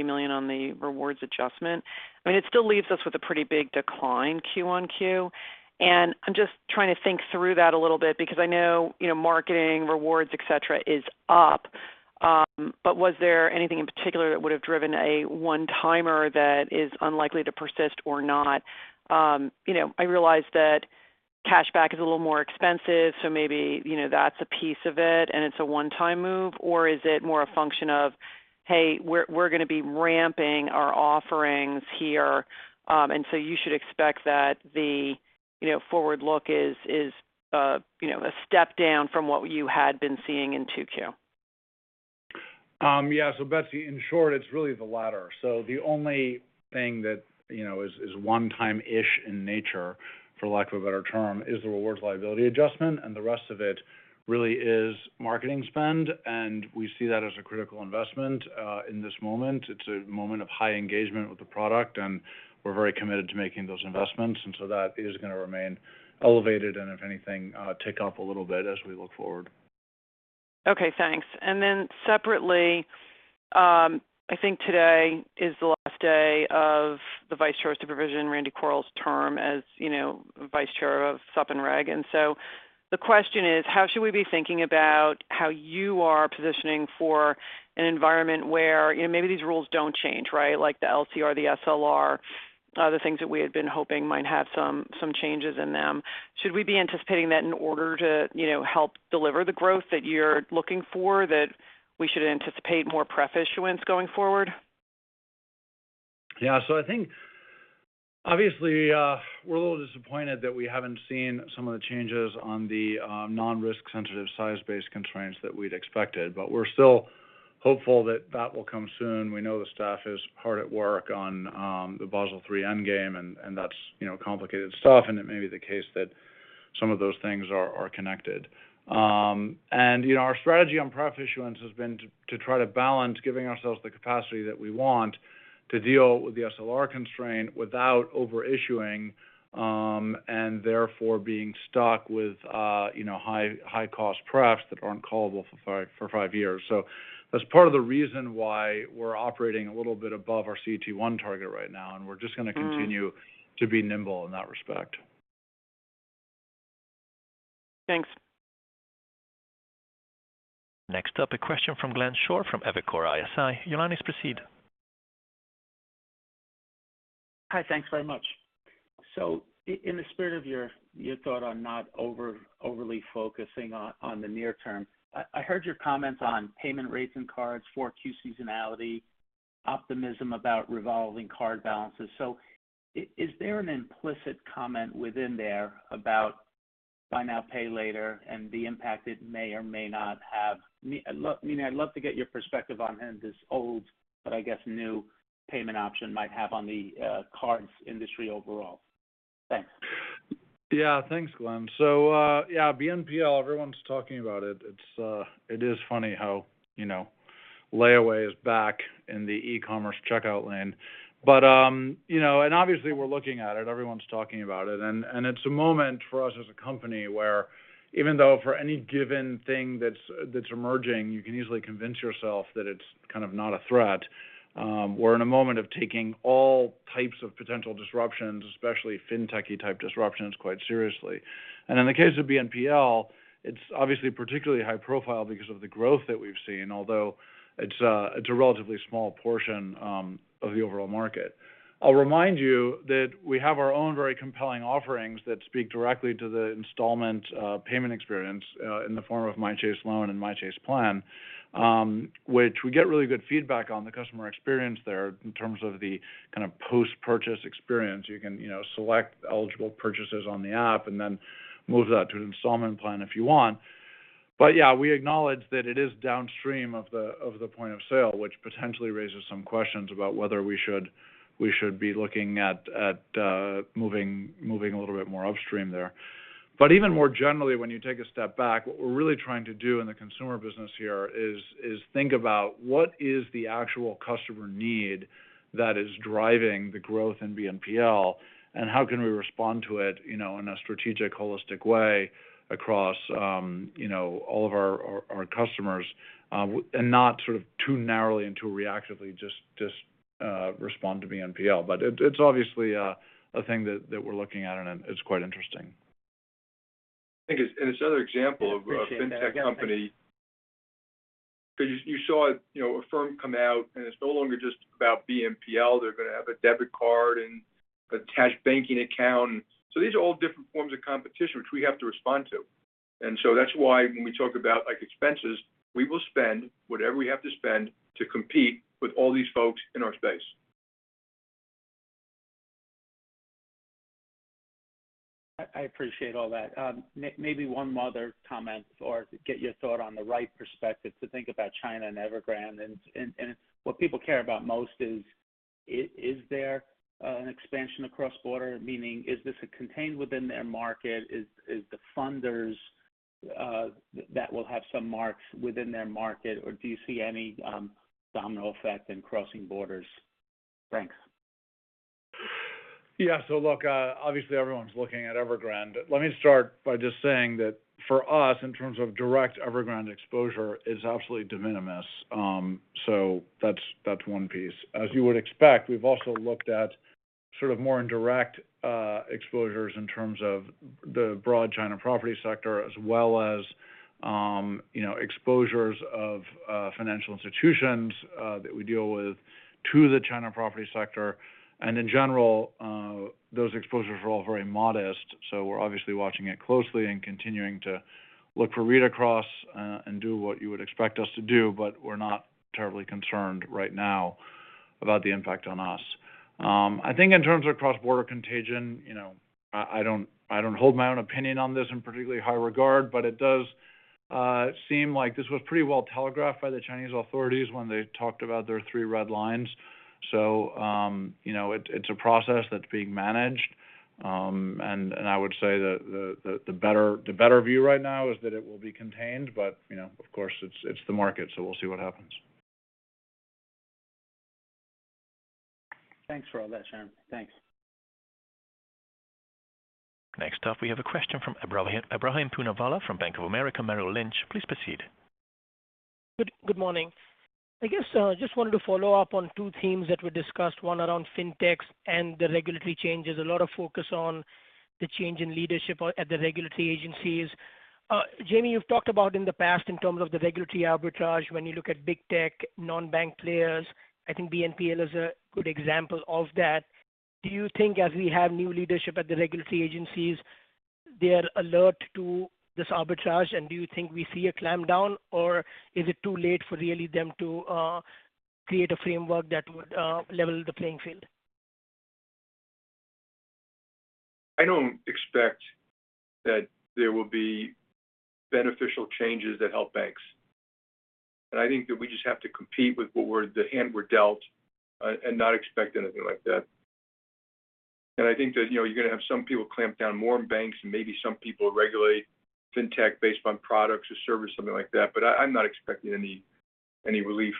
million on the rewards adjustment. It still leaves us with a pretty big decline quarter-on-quarter, and I'm just trying to think through that a little bit because I know marketing, rewards, et cetera is up. Was there anything in particular that would have driven a one-timer that is unlikely to persist or not? I realize that cash back is a little more expensive, so maybe that's a piece of it and it's a one-time move. Is it more a function of, "Hey, we're going to be ramping our offerings here, and so you should expect that the forward look is a step down from what you had been seeing in Q2? Betsy, in short, it's really the latter. The only thing that is one-time-ish in nature, for lack of a better term, is the rewards liability adjustment, and the rest of it really is marketing spend, and we see that as a critical investment in this moment. It's a moment of high engagement with the product, and we're very committed to making those investments. That is going to remain elevated and, if anything, tick up a little bit as we look forward. Okay, thanks. Separately, I think today is the last day of the Vice Chair for Supervision, Randal Quarles' term as Vice Chair of Sup and Reg. The question is, how should we be thinking about how you are positioning for an environment where maybe these rules don't change, right? Like the LCR, the SLR, the things that we had been hoping might have some changes in them. Should we be anticipating that in order to help deliver the growth that you're looking for, that we should anticipate more pref issuance going forward? I think obviously, we're a little disappointed that we haven't seen some of the changes on the non-risk sensitive size-based constraints that we'd expected, but we're still hopeful that that will come soon. We know the staff is hard at work on the Basel III endgame, and that's complicated stuff, and it may be the case that some of those things are connected. Our strategy on pref issuance has been to try to balance giving ourselves the capacity that we want to deal with the SLR constraint without over-issuing, and therefore being stuck with high cost pref that aren't callable for five years. That's part of the reason why we're operating a little bit above our CET1 target right now, and we're just going to continue to be nimble in that respect. Thanks. Next up, a question from Glenn Schorr from Evercore ISI. Your line is, proceed. Hi. Thanks very much. In the spirit of your thought on not overly focusing on the near term, I heard your comments on payment rates and cards, Q4 seasonality, optimism about revolving card balances. Is there an implicit comment within there about buy now, pay later and the impact it may or may not have? I'd love to get your perspective on this old, but I guess new payment option might have on the cards industry overall. Thanks. Yeah. Thanks, Glenn. BNPL, everyone's talking about it. It is funny how layaway is back in the e-commerce checkout land. Obviously we're looking at it, everyone's talking about it. It's a moment for us as a company where even though for any given thing that's emerging, you can easily convince yourself that it's kind of not a threat. We're in a moment of taking all types of potential disruptions, especially fintechy type disruptions, quite seriously. In the case of BNPL, it's obviously particularly high profile because of the growth that we've seen, although it's a relatively small portion of the overall market. I'll remind you that we have our own very compelling offerings that speak directly to the installment payment experience, in the form of My Chase Loan and My Chase Plan, which we get really good feedback on the customer experience there in terms of the kind of post-purchase experience. You can select eligible purchases on the app and then move that to an installment plan if you want. Yeah, we acknowledge that it is downstream of the point of sale, which potentially raises some questions about whether we should be looking at moving a little bit more upstream there. Even more generally, when you take a step back, what we're really trying to do in the consumer business here is think about what is the actual customer need that is driving the growth in BNPL, and how can we respond to it in a strategic, holistic way across all of our customers, and not sort of too narrowly and too reactively just respond to BNPL. It's obviously a thing that we're looking at, and it's quite interesting. I think it's another example of a fintech company. You saw Affirm come out, and it's no longer just about BNPL. They're going to have a debit card and a cash banking account. These are all different forms of competition which we have to respond to. That's why when we talk about expenses, we will spend whatever we have to spend to compete with all these folks in our space. I appreciate all that. Maybe one other comment or get your thought on the right perspective to think about China and Evergrande. What people care about most is there an expansion across border? Meaning, is this contained within their market? Is the funders that will have some marks within their market, or do you see any domino effect in crossing borders? Thanks. Yeah. Look, obviously everyone's looking at Evergrande. Let me start by just saying that for us, in terms of direct Evergrande exposure, is absolutely de minimis. That's one piece. As you would expect, we've also looked at sort of more indirect exposures in terms of the broad China property sector, as well as exposures of financial institutions that we deal with to the China property sector. In general, those exposures are all very modest. We're obviously watching it closely and continuing to look for read-across, and do what you would expect us to do, but we're not terribly concerned right now about the impact on us. I think in terms of cross-border contagion, I don't hold my own opinion on this in particularly high regard, but it does seem like this was pretty well telegraphed by the Chinese authorities when they talked about their three red lines. It's a process that's being managed. I would say that the better view right now is that it will be contained. Of course, it's the market, so we'll see what happens. Thanks for all that, Sharon. Thanks. Next up, we have a question from Ebrahim Poonawala from Bank of America Merrill Lynch. Please proceed. Good morning. I guess just wanted to follow up on two themes that were discussed, one around fintechs and the regulatory changes. A lot of focus on the change in leadership at the regulatory agencies. Jamie, you've talked about in the past in terms of the regulatory arbitrage when you look at big tech, non-bank players, I think BNPL is a good example of that. Do you think as we have new leadership at the regulatory agencies, they are alert to this arbitrage? Do you think we see a clampdown, or is it too late for really them to create a framework that would level the playing field? I don't expect that there will be beneficial changes that help banks. I think that we just have to compete with the hand we're dealt, and not expect anything like that. I think that you're going to have some people clamp down more on banks and maybe some people regulate fintech based on products or service, something like that. I'm not expecting any relief.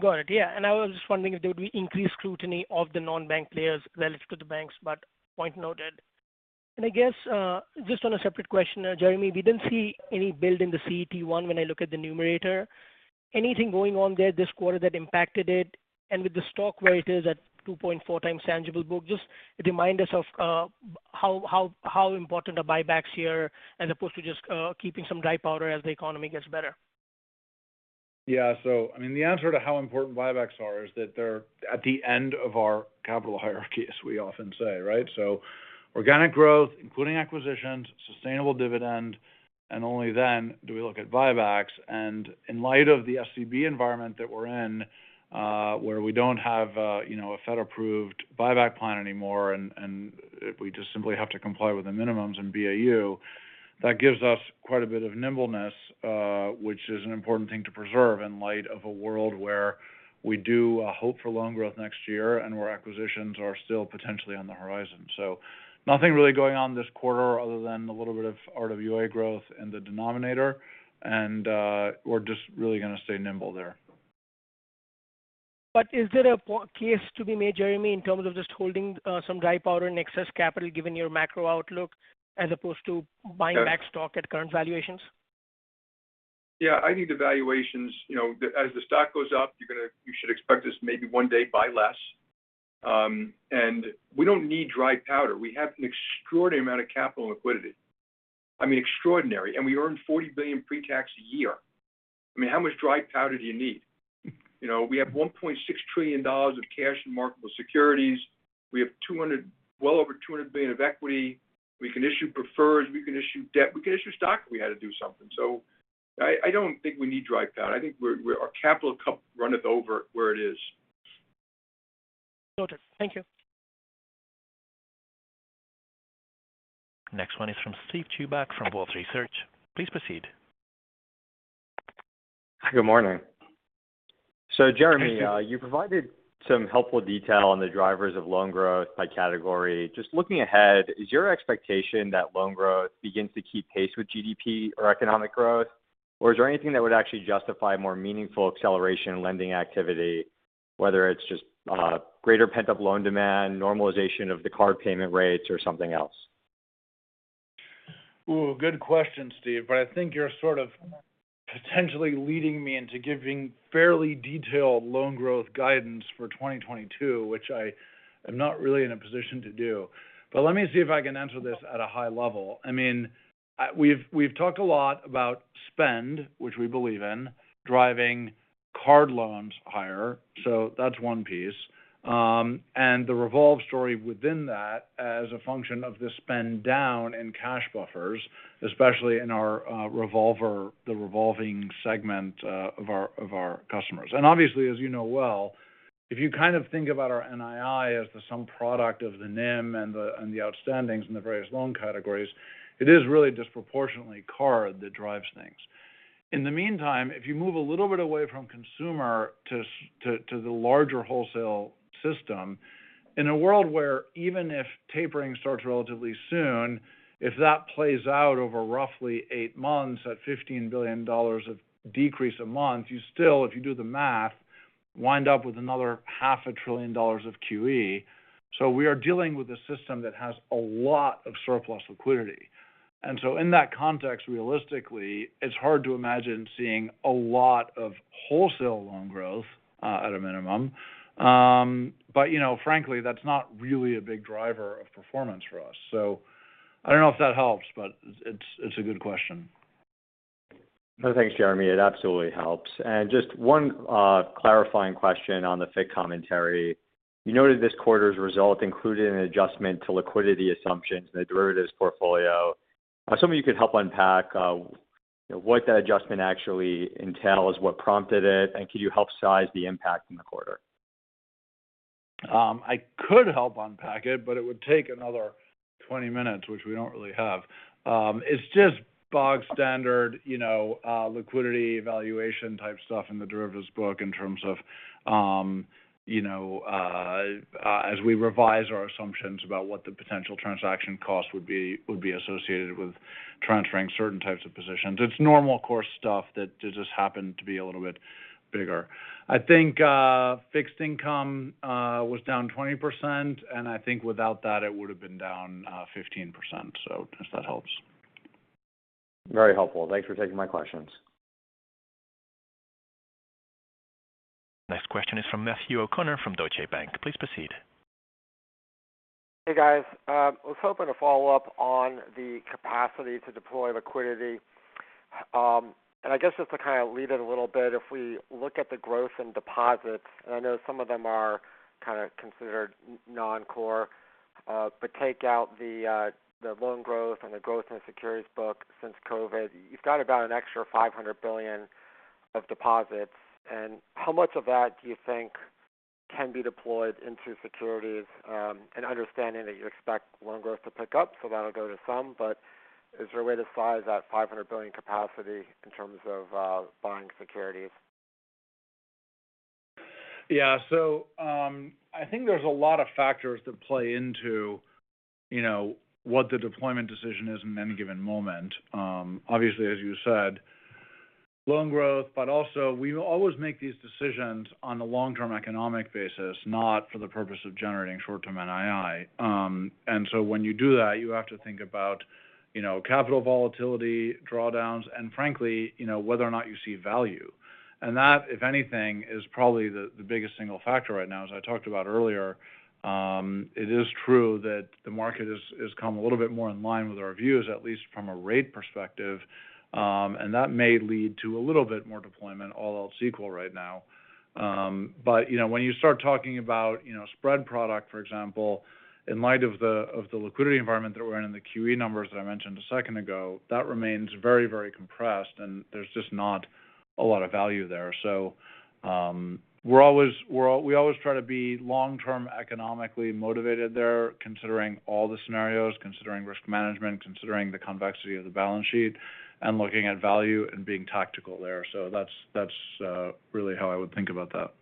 Got it. Yeah. I was just wondering if there would be increased scrutiny of the non-bank players relative to the banks, but point noted. I guess, just on a separate question, Jamie, we didn't see any build in the CET1 when I look at the numerator. Anything going on there this quarter that impacted it? With the stock where it is at 2.4 times tangible book, just remind us of how important are buybacks here as opposed to just keeping some dry powder as the economy gets better? The answer to how important buybacks are is that they're at the end of our capital hierarchy, as we often say. Organic growth, including acquisitions, sustainable dividend, and only then do we look at buybacks. In light of the SCB environment that we're in where we don't have a Fed-approved buyback plan anymore, and we just simply have to comply with the minimums in BAU. That gives us quite a bit of nimbleness, which is an important thing to preserve in light of a world where we do hope for loan growth next year and where acquisitions are still potentially on the horizon. Nothing really going on this quarter other than a little bit of RWA growth in the denominator. We're just really going to stay nimble there. Is it a case to be made, Jeremy, in terms of just holding some dry powder and excess capital given your macro outlook as opposed to buying back stock at current valuations? Yeah. I think the valuations, as the stock goes up, you should expect us maybe one day buy less. We don't need dry powder. We have an extraordinary amount of capital and liquidity. Extraordinary. We earn $40 billion pre-tax a year. How much dry powder do you need? We have $1.6 trillion of cash and marketable securities. We have well over $200 billion of equity. We can issue preferreds, we can issue debt, we can issue stock if we had to do something. I don't think we need dry powder. I think our capital runneth over where it is. Noted. Thank you. Next one is from Steven Chubak from Wolfe Research. Please proceed. Good morning. Jeremy, you provided some helpful detail on the drivers of loan growth by category. Just looking ahead, is your expectation that loan growth begins to keep pace with GDP or economic growth? Is there anything that would actually justify more meaningful acceleration in lending activity, whether it's just greater pent-up loan demand, normalization of the card payment rates, or something else? Good question, Steve. I think you're sort of potentially leading me into giving fairly detailed loan growth guidance for 2022, which I am not really in a position to do. Let me see if I can answer this at a high level. We've talked a lot about spend, which we believe in, driving card loans higher. That's one piece, the revolve story within that as a function of the spend down in cash buffers, especially in our revolver, the revolving segment of our customers. Obviously, as you know well, if you kind of think about our NII as the sum product of the NIM and the outstandings in the various loan categories, it is really disproportionately card that drives things. In the meantime, if you move a little bit away from consumer to the larger wholesale system, in a world where even if tapering starts relatively soon, if that plays out over roughly eight months at $15 billion of decrease a month, you still, if you do the math, wind up with another half a trillion dollars of QE. We are dealing with a system that has a lot of surplus liquidity. In that context, realistically, it's hard to imagine seeing a lot of wholesale loan growth at a minimum. Frankly, that's not really a big driver of performance for us. I don't know if that helps, but it's a good question. No, thanks, Jeremy. It absolutely helps. Just one clarifying question on the FICC commentary. You noted this quarter's result included an adjustment to liquidity assumptions in the derivatives portfolio. I was hoping you could help unpack what that adjustment actually entails, what prompted it, and could you help size the impact in the quarter? I could help unpack it, but it would take another 20 minutes, which we don't really have. It's just bog standard liquidity evaluation type stuff in the derivatives book in terms of as we revise our assumptions about what the potential transaction cost would be associated with transferring certain types of positions. It's normal course stuff that just happened to be a little bit bigger. I think fixed income was down 20%, and I think without that it would've been down 15%. If that helps. Very helpful. Thanks for taking my questions. Next question is from Matthew O'Connor from Deutsche Bank. Please proceed. Hey, guys. I was hoping to follow up on the capacity to deploy liquidity. I guess just to kind of lead it a little bit, if we look at the growth in deposits, and I know some of them are kind of considered non-core. Take out the loan growth and the growth in the securities book since COVID, you've got about an extra $500 billion of deposits. How much of that do you think can be deployed into securities? Understanding that you expect loan growth to pick up, so that'll go to some, but is there a way to size that $500 billion capacity in terms of buying securities? Yeah. I think there's a lot of factors that play into what the deployment decision is in any given moment. Obviously, as you said, loan growth, we always make these decisions on the long-term economic basis, not for the purpose of generating short-term NII. When you do that, you have to think about capital volatility, drawdowns, and frankly whether or not you see value. That, if anything, is probably the biggest single factor right now. As I talked about earlier, it is true that the market has come a little bit more in line with our views, at least from a rate perspective. That may lead to a little bit more deployment all else equal right now. When you start talking about spread product, for example, in light of the liquidity environment that we're in and the QE numbers that I mentioned a second ago, that remains very compressed, and there's just not a lot of value there. We always try to be long-term economically motivated there, considering all the scenarios, considering risk management, considering the convexity of the balance sheet, and looking at value and being tactical there. That's really how I would think about that.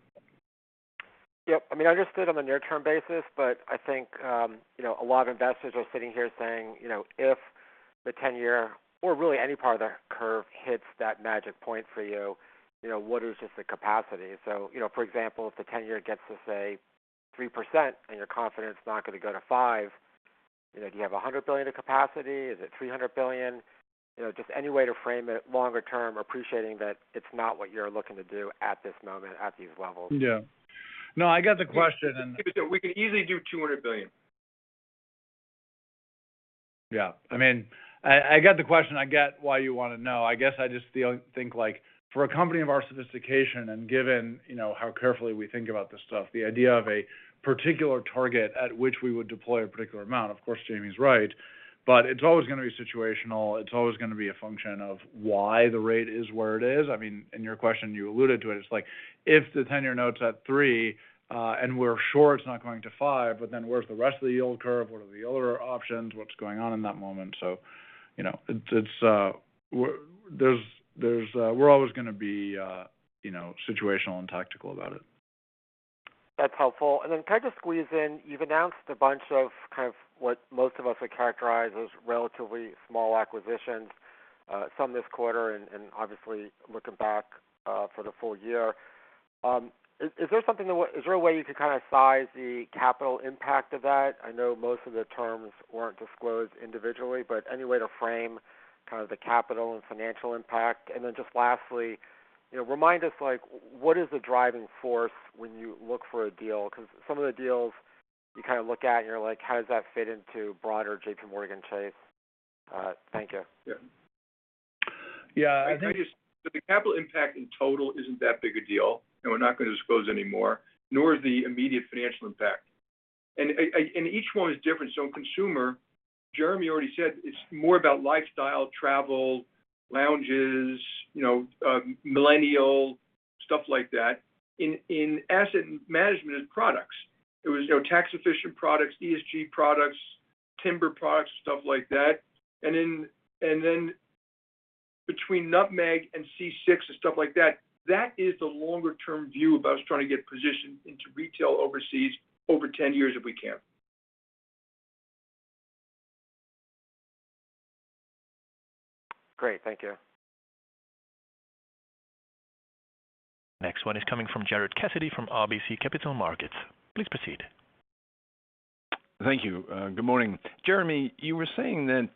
Yep. I just did on the near-term basis. I think a lot of investors are sitting here saying if the 10-year, or really any part of the curve hits that magic point for you, what is just the capacity? For example, if the 10-year gets to, say, 3% and you're confident it's not going to go to 5%, do you have $100 billion of capacity? Is it $300 billion? Just any way to frame it longer term, appreciating that it's not what you're looking to do at this moment at these levels. Yeah. No, I get the question. We could easily do $200 billion. I get the question. I get why you want to know. I guess I just think for a company of our sophistication and given how carefully we think about this stuff, the idea of a particular target at which we would deploy a particular amount, of course Jamie's right, it's always going to be situational. It's always going to be a function of why the rate is where it is. In your question, you alluded to it. It's like if the 10-year note's at 3%, and we're sure it's not going to 5%, but then where's the rest of the yield curve? What are the other options? What's going on in that moment? We're always going to be situational and tactical about it. That's helpful. Can I just squeeze in, you've announced a bunch of what most of us would characterize as relatively small acquisitions, some this quarter, obviously looking back for the full year. Is there a way you can size the capital impact of that? I know most of the terms weren't disclosed individually, but any way to frame kind of the capital and financial impact? Just lastly, remind us what is the driving force when you look for a deal? Some of the deals you kind of look at and you're like, how does that fit into broader JPMorgan Chase? Thank you. Yeah. The capital impact in total isn't that big a deal, and we're not going to disclose any more, nor the immediate financial impact. Each one is different. Consumer, Jeremy already said it's more about lifestyle, travel, lounges, millennial, stuff like that. In asset management and products, it was tax-efficient products, ESG products, timber products, stuff like that. Between Nutmeg and C6 and stuff like that is the longer-term view of us trying to get positioned into retail overseas over 10 years if we can. Great. Thank you. Next one is coming from Gerard Cassidy from RBC Capital Markets. Please proceed. Thank you. Good morning. Jeremy, you were saying that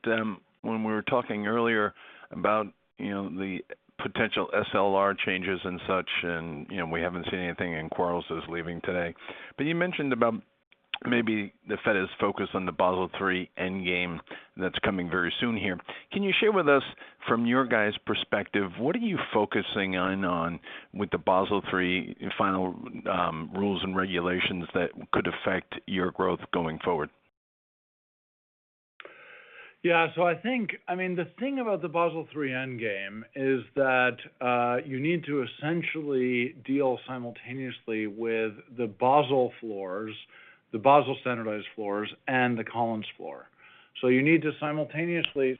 when we were talking earlier about the potential SLR changes and such, and we haven't seen anything, and Quarles is leaving today. You mentioned about maybe the Fed is focused on the Basel III end game that's coming very soon here. Can you share with us from your guys' perspective, what are you focusing in on with the Basel III final rules and regulations that could affect your growth going forward? Yeah. I think the thing about the Basel III end game is that you need to essentially deal simultaneously with the Basel floors, the Basel standardized floors, and the Collins floor. You need to simultaneously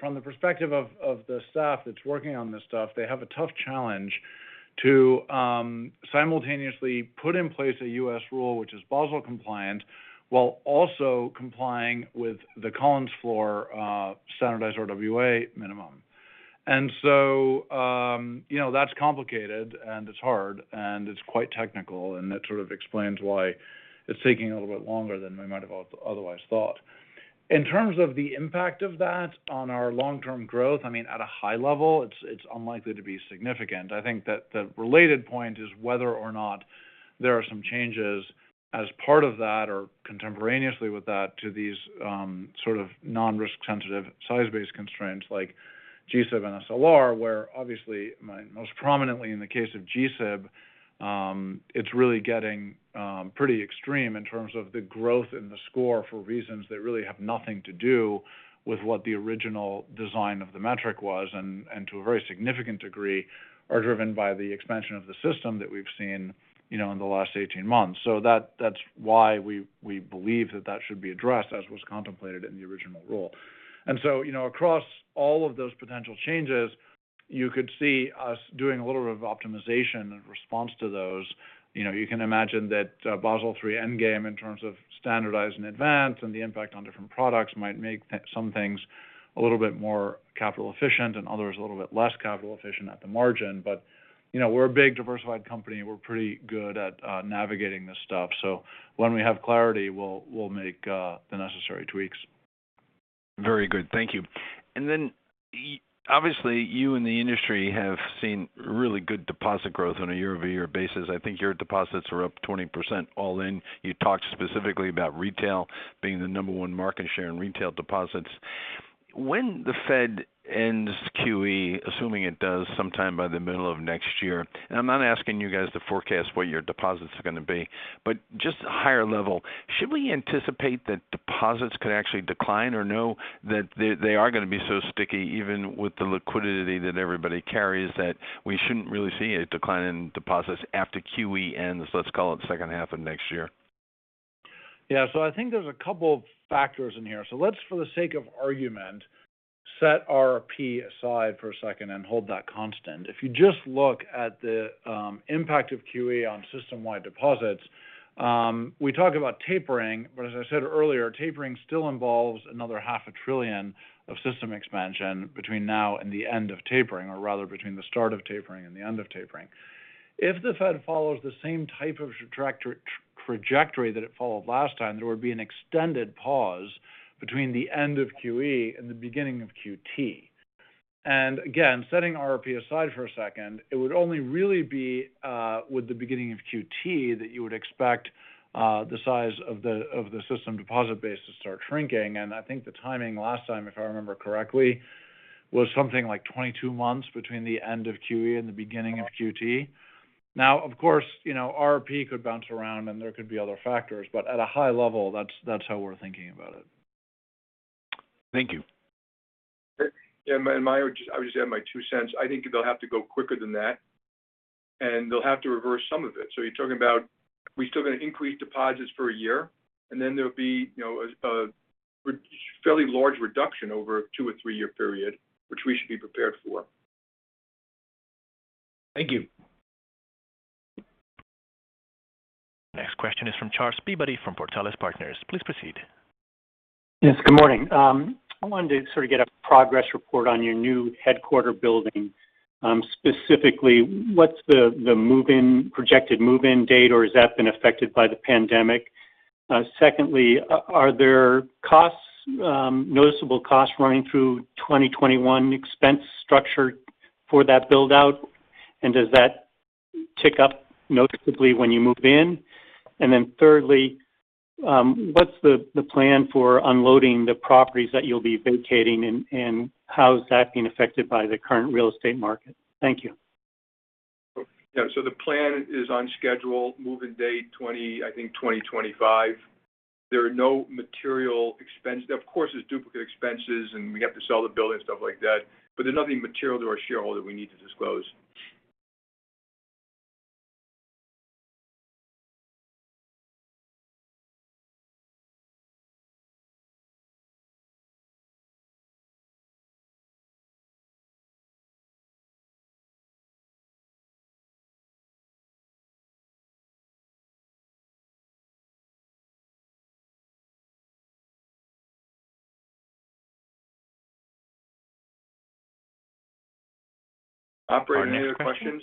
from the perspective of the staff that's working on this stuff, they have a tough challenge to simultaneously put in place a U.S. rule, which is Basel compliant, while also complying with the Collins floor standardized RWA minimum. That's complicated, and it's hard, and it's quite technical, and that sort of explains why it's taking a little bit longer than we might have otherwise thought. In terms of the impact of that on our long-term growth, at a high level, it's unlikely to be significant. I think that the related point is whether or not there are some changes as part of that or contemporaneously with that to these sort of non-risk sensitive size-based constraints like GSIB and SLR, where obviously most prominently in the case of GSIB, it's really getting pretty extreme in terms of the growth in the score for reasons that really have nothing to do with what the original design of the metric was and to a very significant degree are driven by the expansion of the system that we've seen in the last 18 months. That's why we believe that that should be addressed as was contemplated in the original rule. Across all of those potential changes, you could see us doing a little bit of optimization in response to those. You can imagine that Basel III end game in terms of standardized in advance and the impact on different products might make some things a little bit more capital efficient and others a little bit less capital efficient at the margin. We're a big diversified company. We're pretty good at navigating this stuff. When we have clarity, we'll make the necessary tweaks. Very good. Thank you. Obviously, you and the industry have seen really good deposit growth on a year-over-year basis. I think your deposits are up 20% all in. You talked specifically about retail being the number one market share in retail deposits. When the Fed ends QE, assuming it does sometime by the middle of next year, I'm not asking you guys to forecast what your deposits are going to be, but just higher level, should we anticipate that deposits could actually decline, or no, that they are going to be so sticky, even with the liquidity that everybody carries, that we shouldn't really see a decline in deposits after QE ends, let's call it the second half of next year? I think there's a couple of factors in here. Let's, for the sake of argument, set RRP aside for a second and hold that constant. If you just look at the impact of QE on system-wide deposits, we talk about tapering, but as I said earlier, tapering still involves another half a trillion of system expansion between now and the end of tapering, or rather between the start of tapering and the end of tapering. If the Fed follows the same type of trajectory that it followed last time, there would be an extended pause between the end of QE and the beginning of QT. Again, setting RRP aside for a second, it would only really be with the beginning of QT that you would expect the size of the system deposit base to start shrinking. I think the timing last time, if I remember correctly, was something like 22 months between the end of QE and the beginning of QT. Now, of course, RRP could bounce around and there could be other factors, but at a high level, that's how we're thinking about it. Thank you. I'll just add my $0.02. I think they'll have to go quicker than that, and they'll have to reverse some of it. You're talking about we're still going to increase deposits for a year, and then there'll be a fairly large reduction over a two or three-year period, which we should be prepared for. Thank you. Next question is from Charles Peabody from Portales Partners. Please proceed. Yes, good morning. I wanted to sort of get a progress report on your new headquarter building. Specifically, what's the projected move-in date, or has that been affected by the pandemic? Secondly, are there noticeable costs running through 2021 expense structure for that build-out? Does that tick up noticeably when you move in? Thirdly, what's the plan for unloading the properties that you'll be vacating, and how is that being affected by the current real estate market? Thank you. Yeah. The plan is on schedule. Move-in date, I think 2025. There are no material expenses. Of course, there's duplicate expenses, and we have to sell the building and stuff like that. There's nothing material to our shareholder we need to disclose. Operator, any other questions?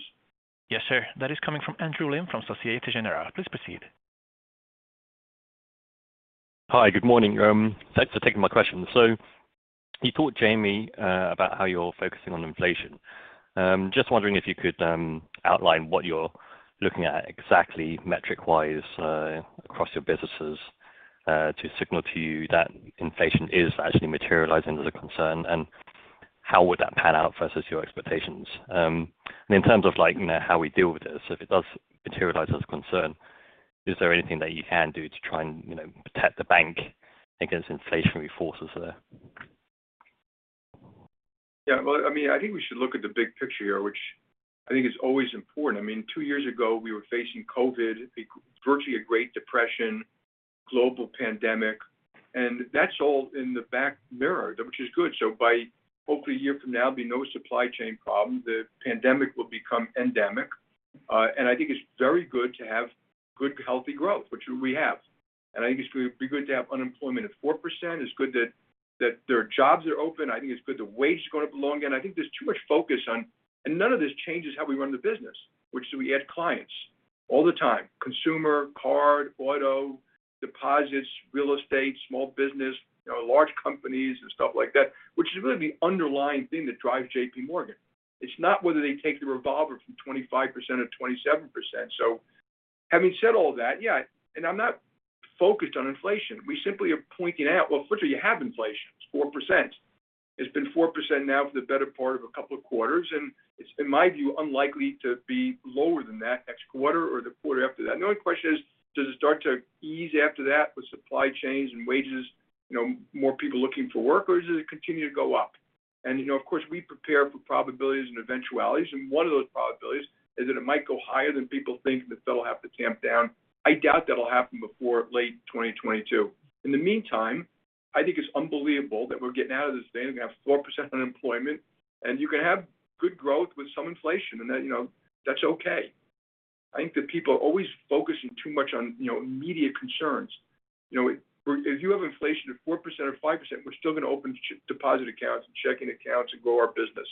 Yes, sir. That is coming from Andrew Lim from Societe Generale. Please proceed. Hi, good morning. Thanks for taking my question. You told Jamie about how you're focusing on inflation. Just wondering if you could outline what you're looking at exactly metric-wise across your businesses to signal to you that inflation is actually materializing as a concern, and how would that pan out versus your expectations? In terms of how we deal with this, if it does materialize as a concern, is there anything that you can do to try and protect the bank against inflationary forces there? I think we should look at the big picture here, which I think is always important. Two years ago, we were facing COVID, virtually a great depression, global pandemic. That's all in the back mirror, which is good. By hopefully one year from now, there'll be no supply chain problem. The pandemic will become endemic. I think it's very good to have good, healthy growth, which we have. I think it's going to be good to have unemployment at 4%. It's good that their jobs are open. I think it's good that wage is going up along. I think there's too much focus on. None of this changes how we run the business. We add clients all the time, consumer, card, auto, deposits, real estate, small business, large companies, and stuff like that, which is really the underlying thing that drives JPMorgan Chase. It's not whether they take the revolver from 25% or 27%. Having said all that, yeah, and I'm not focused on inflation. We simply are pointing out, well, firstly, you have inflation. It's 4%. It's been 4% now for the better part of a couple of quarters, and it's, in my view, unlikely to be lower than that next quarter or the quarter after that. The only question is, does it start to ease after that with supply chains and wages, more people looking for work, or does it continue to go up? Of course, we prepare for probabilities and eventualities, and one of those probabilities is that it might go higher than people think, that they'll have to tamp down. I doubt that'll happen before late 2022. In the meantime, I think it's unbelievable that we're getting out of this thing and we have 4% unemployment, and you can have good growth with some inflation, and that's okay. I think that people are always focusing too much on immediate concerns. If you have inflation at 4% or 5%, we're still going to open deposit accounts and checking accounts and grow our business.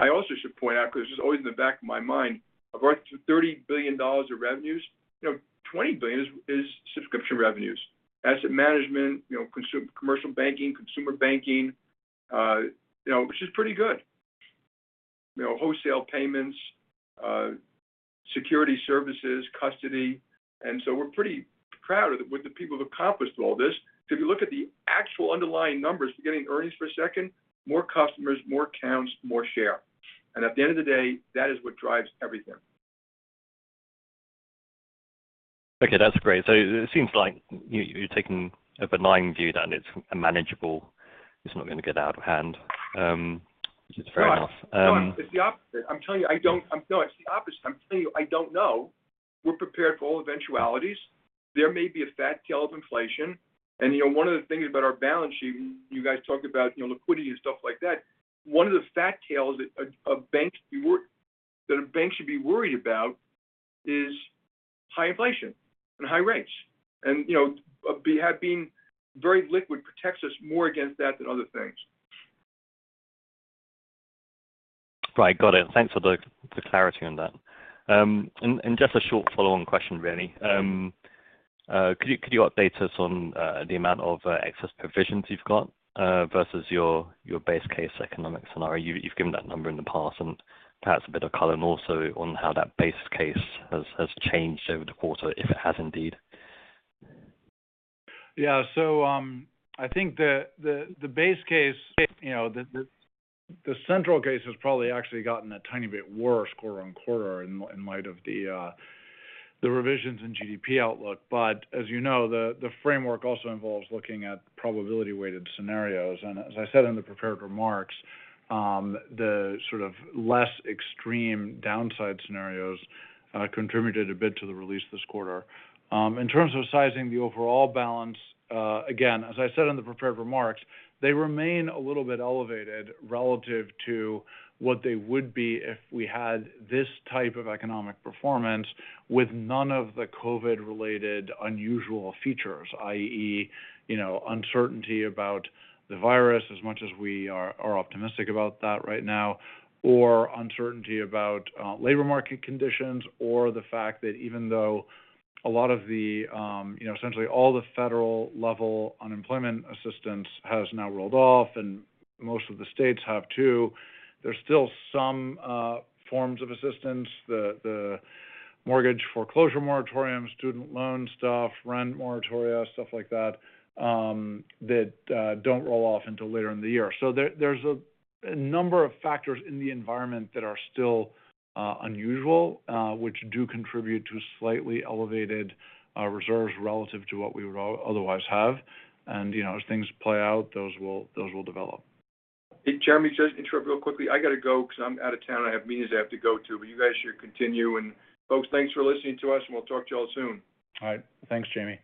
I also should point out, because this is always in the back of my mind, of our $30 billion of revenues, $20 billion is subscription revenues. Asset management, commercial banking, consumer banking, which is pretty good. Wholesale payments, security services, custody. We're pretty proud of what the people have accomplished with all this. If you look at the actual underlying numbers, forgetting earnings for a second, more customers, more accounts, more share. At the end of the day, that is what drives everything. Okay, that's great. It seems like you're taking a benign view that it's manageable. It's not going to get out of hand. Which is fair enough. No, it's the opposite. I'm telling you, I don't know. It's the opposite. I'm telling you, I don't know. We're prepared for all eventualities. There may be a fat tail of inflation. One of the things about our balance sheet, you guys talked about liquidity and stuff like that. One of the fat tails that a bank should be worried about is high inflation and high rates. Being very liquid protects us more against that than other things. Right. Got it. Thanks for the clarity on that. Just a short follow-on question, really. Could you update us on the amount of excess provisions you've got versus your base case economic scenario? You've given that number in the past, and perhaps a bit of color also on how that base case has changed over the quarter, if it has indeed. I think the base case, the central case has probably actually gotten a tiny bit worse quarter-on-quarter in light of the revisions in GDP outlook. As you know, the framework also involves looking at probability-weighted scenarios. As I said in the prepared remarks, the less extreme downside scenarios contributed a bit to the release this quarter. In terms of sizing the overall balance, again, as I said in the prepared remarks, they remain a little bit elevated relative to what they would be if we had this type of economic performance with none of the COVID-related unusual features, i.e., uncertainty about the virus, as much as we are optimistic about that right now. Uncertainty about labor market conditions, the fact that even though essentially all the federal-level unemployment assistance has now rolled off and most of the states have too, there's still some forms of assistance. The mortgage foreclosure moratorium, student loan stuff, rent moratoria, stuff like that don't roll off until later in the year. There's a number of factors in the environment that are still unusual, which do contribute to slightly elevated reserves relative to what we would otherwise have. As things play out, those will develop. Hey, Jeremy, just to interrupt real quickly. I got to go because I'm out of town. I have meetings I have to go to. You guys should continue. Folks, thanks for listening to us, and we'll talk to you all soon. All right. Thanks, Jamie.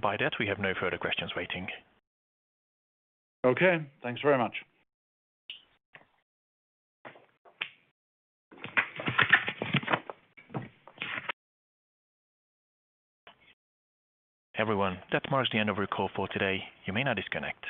By that, we have no further questions waiting. Okay. Thanks very much. Everyone, that marks the end of our call for today. You may now disconnect.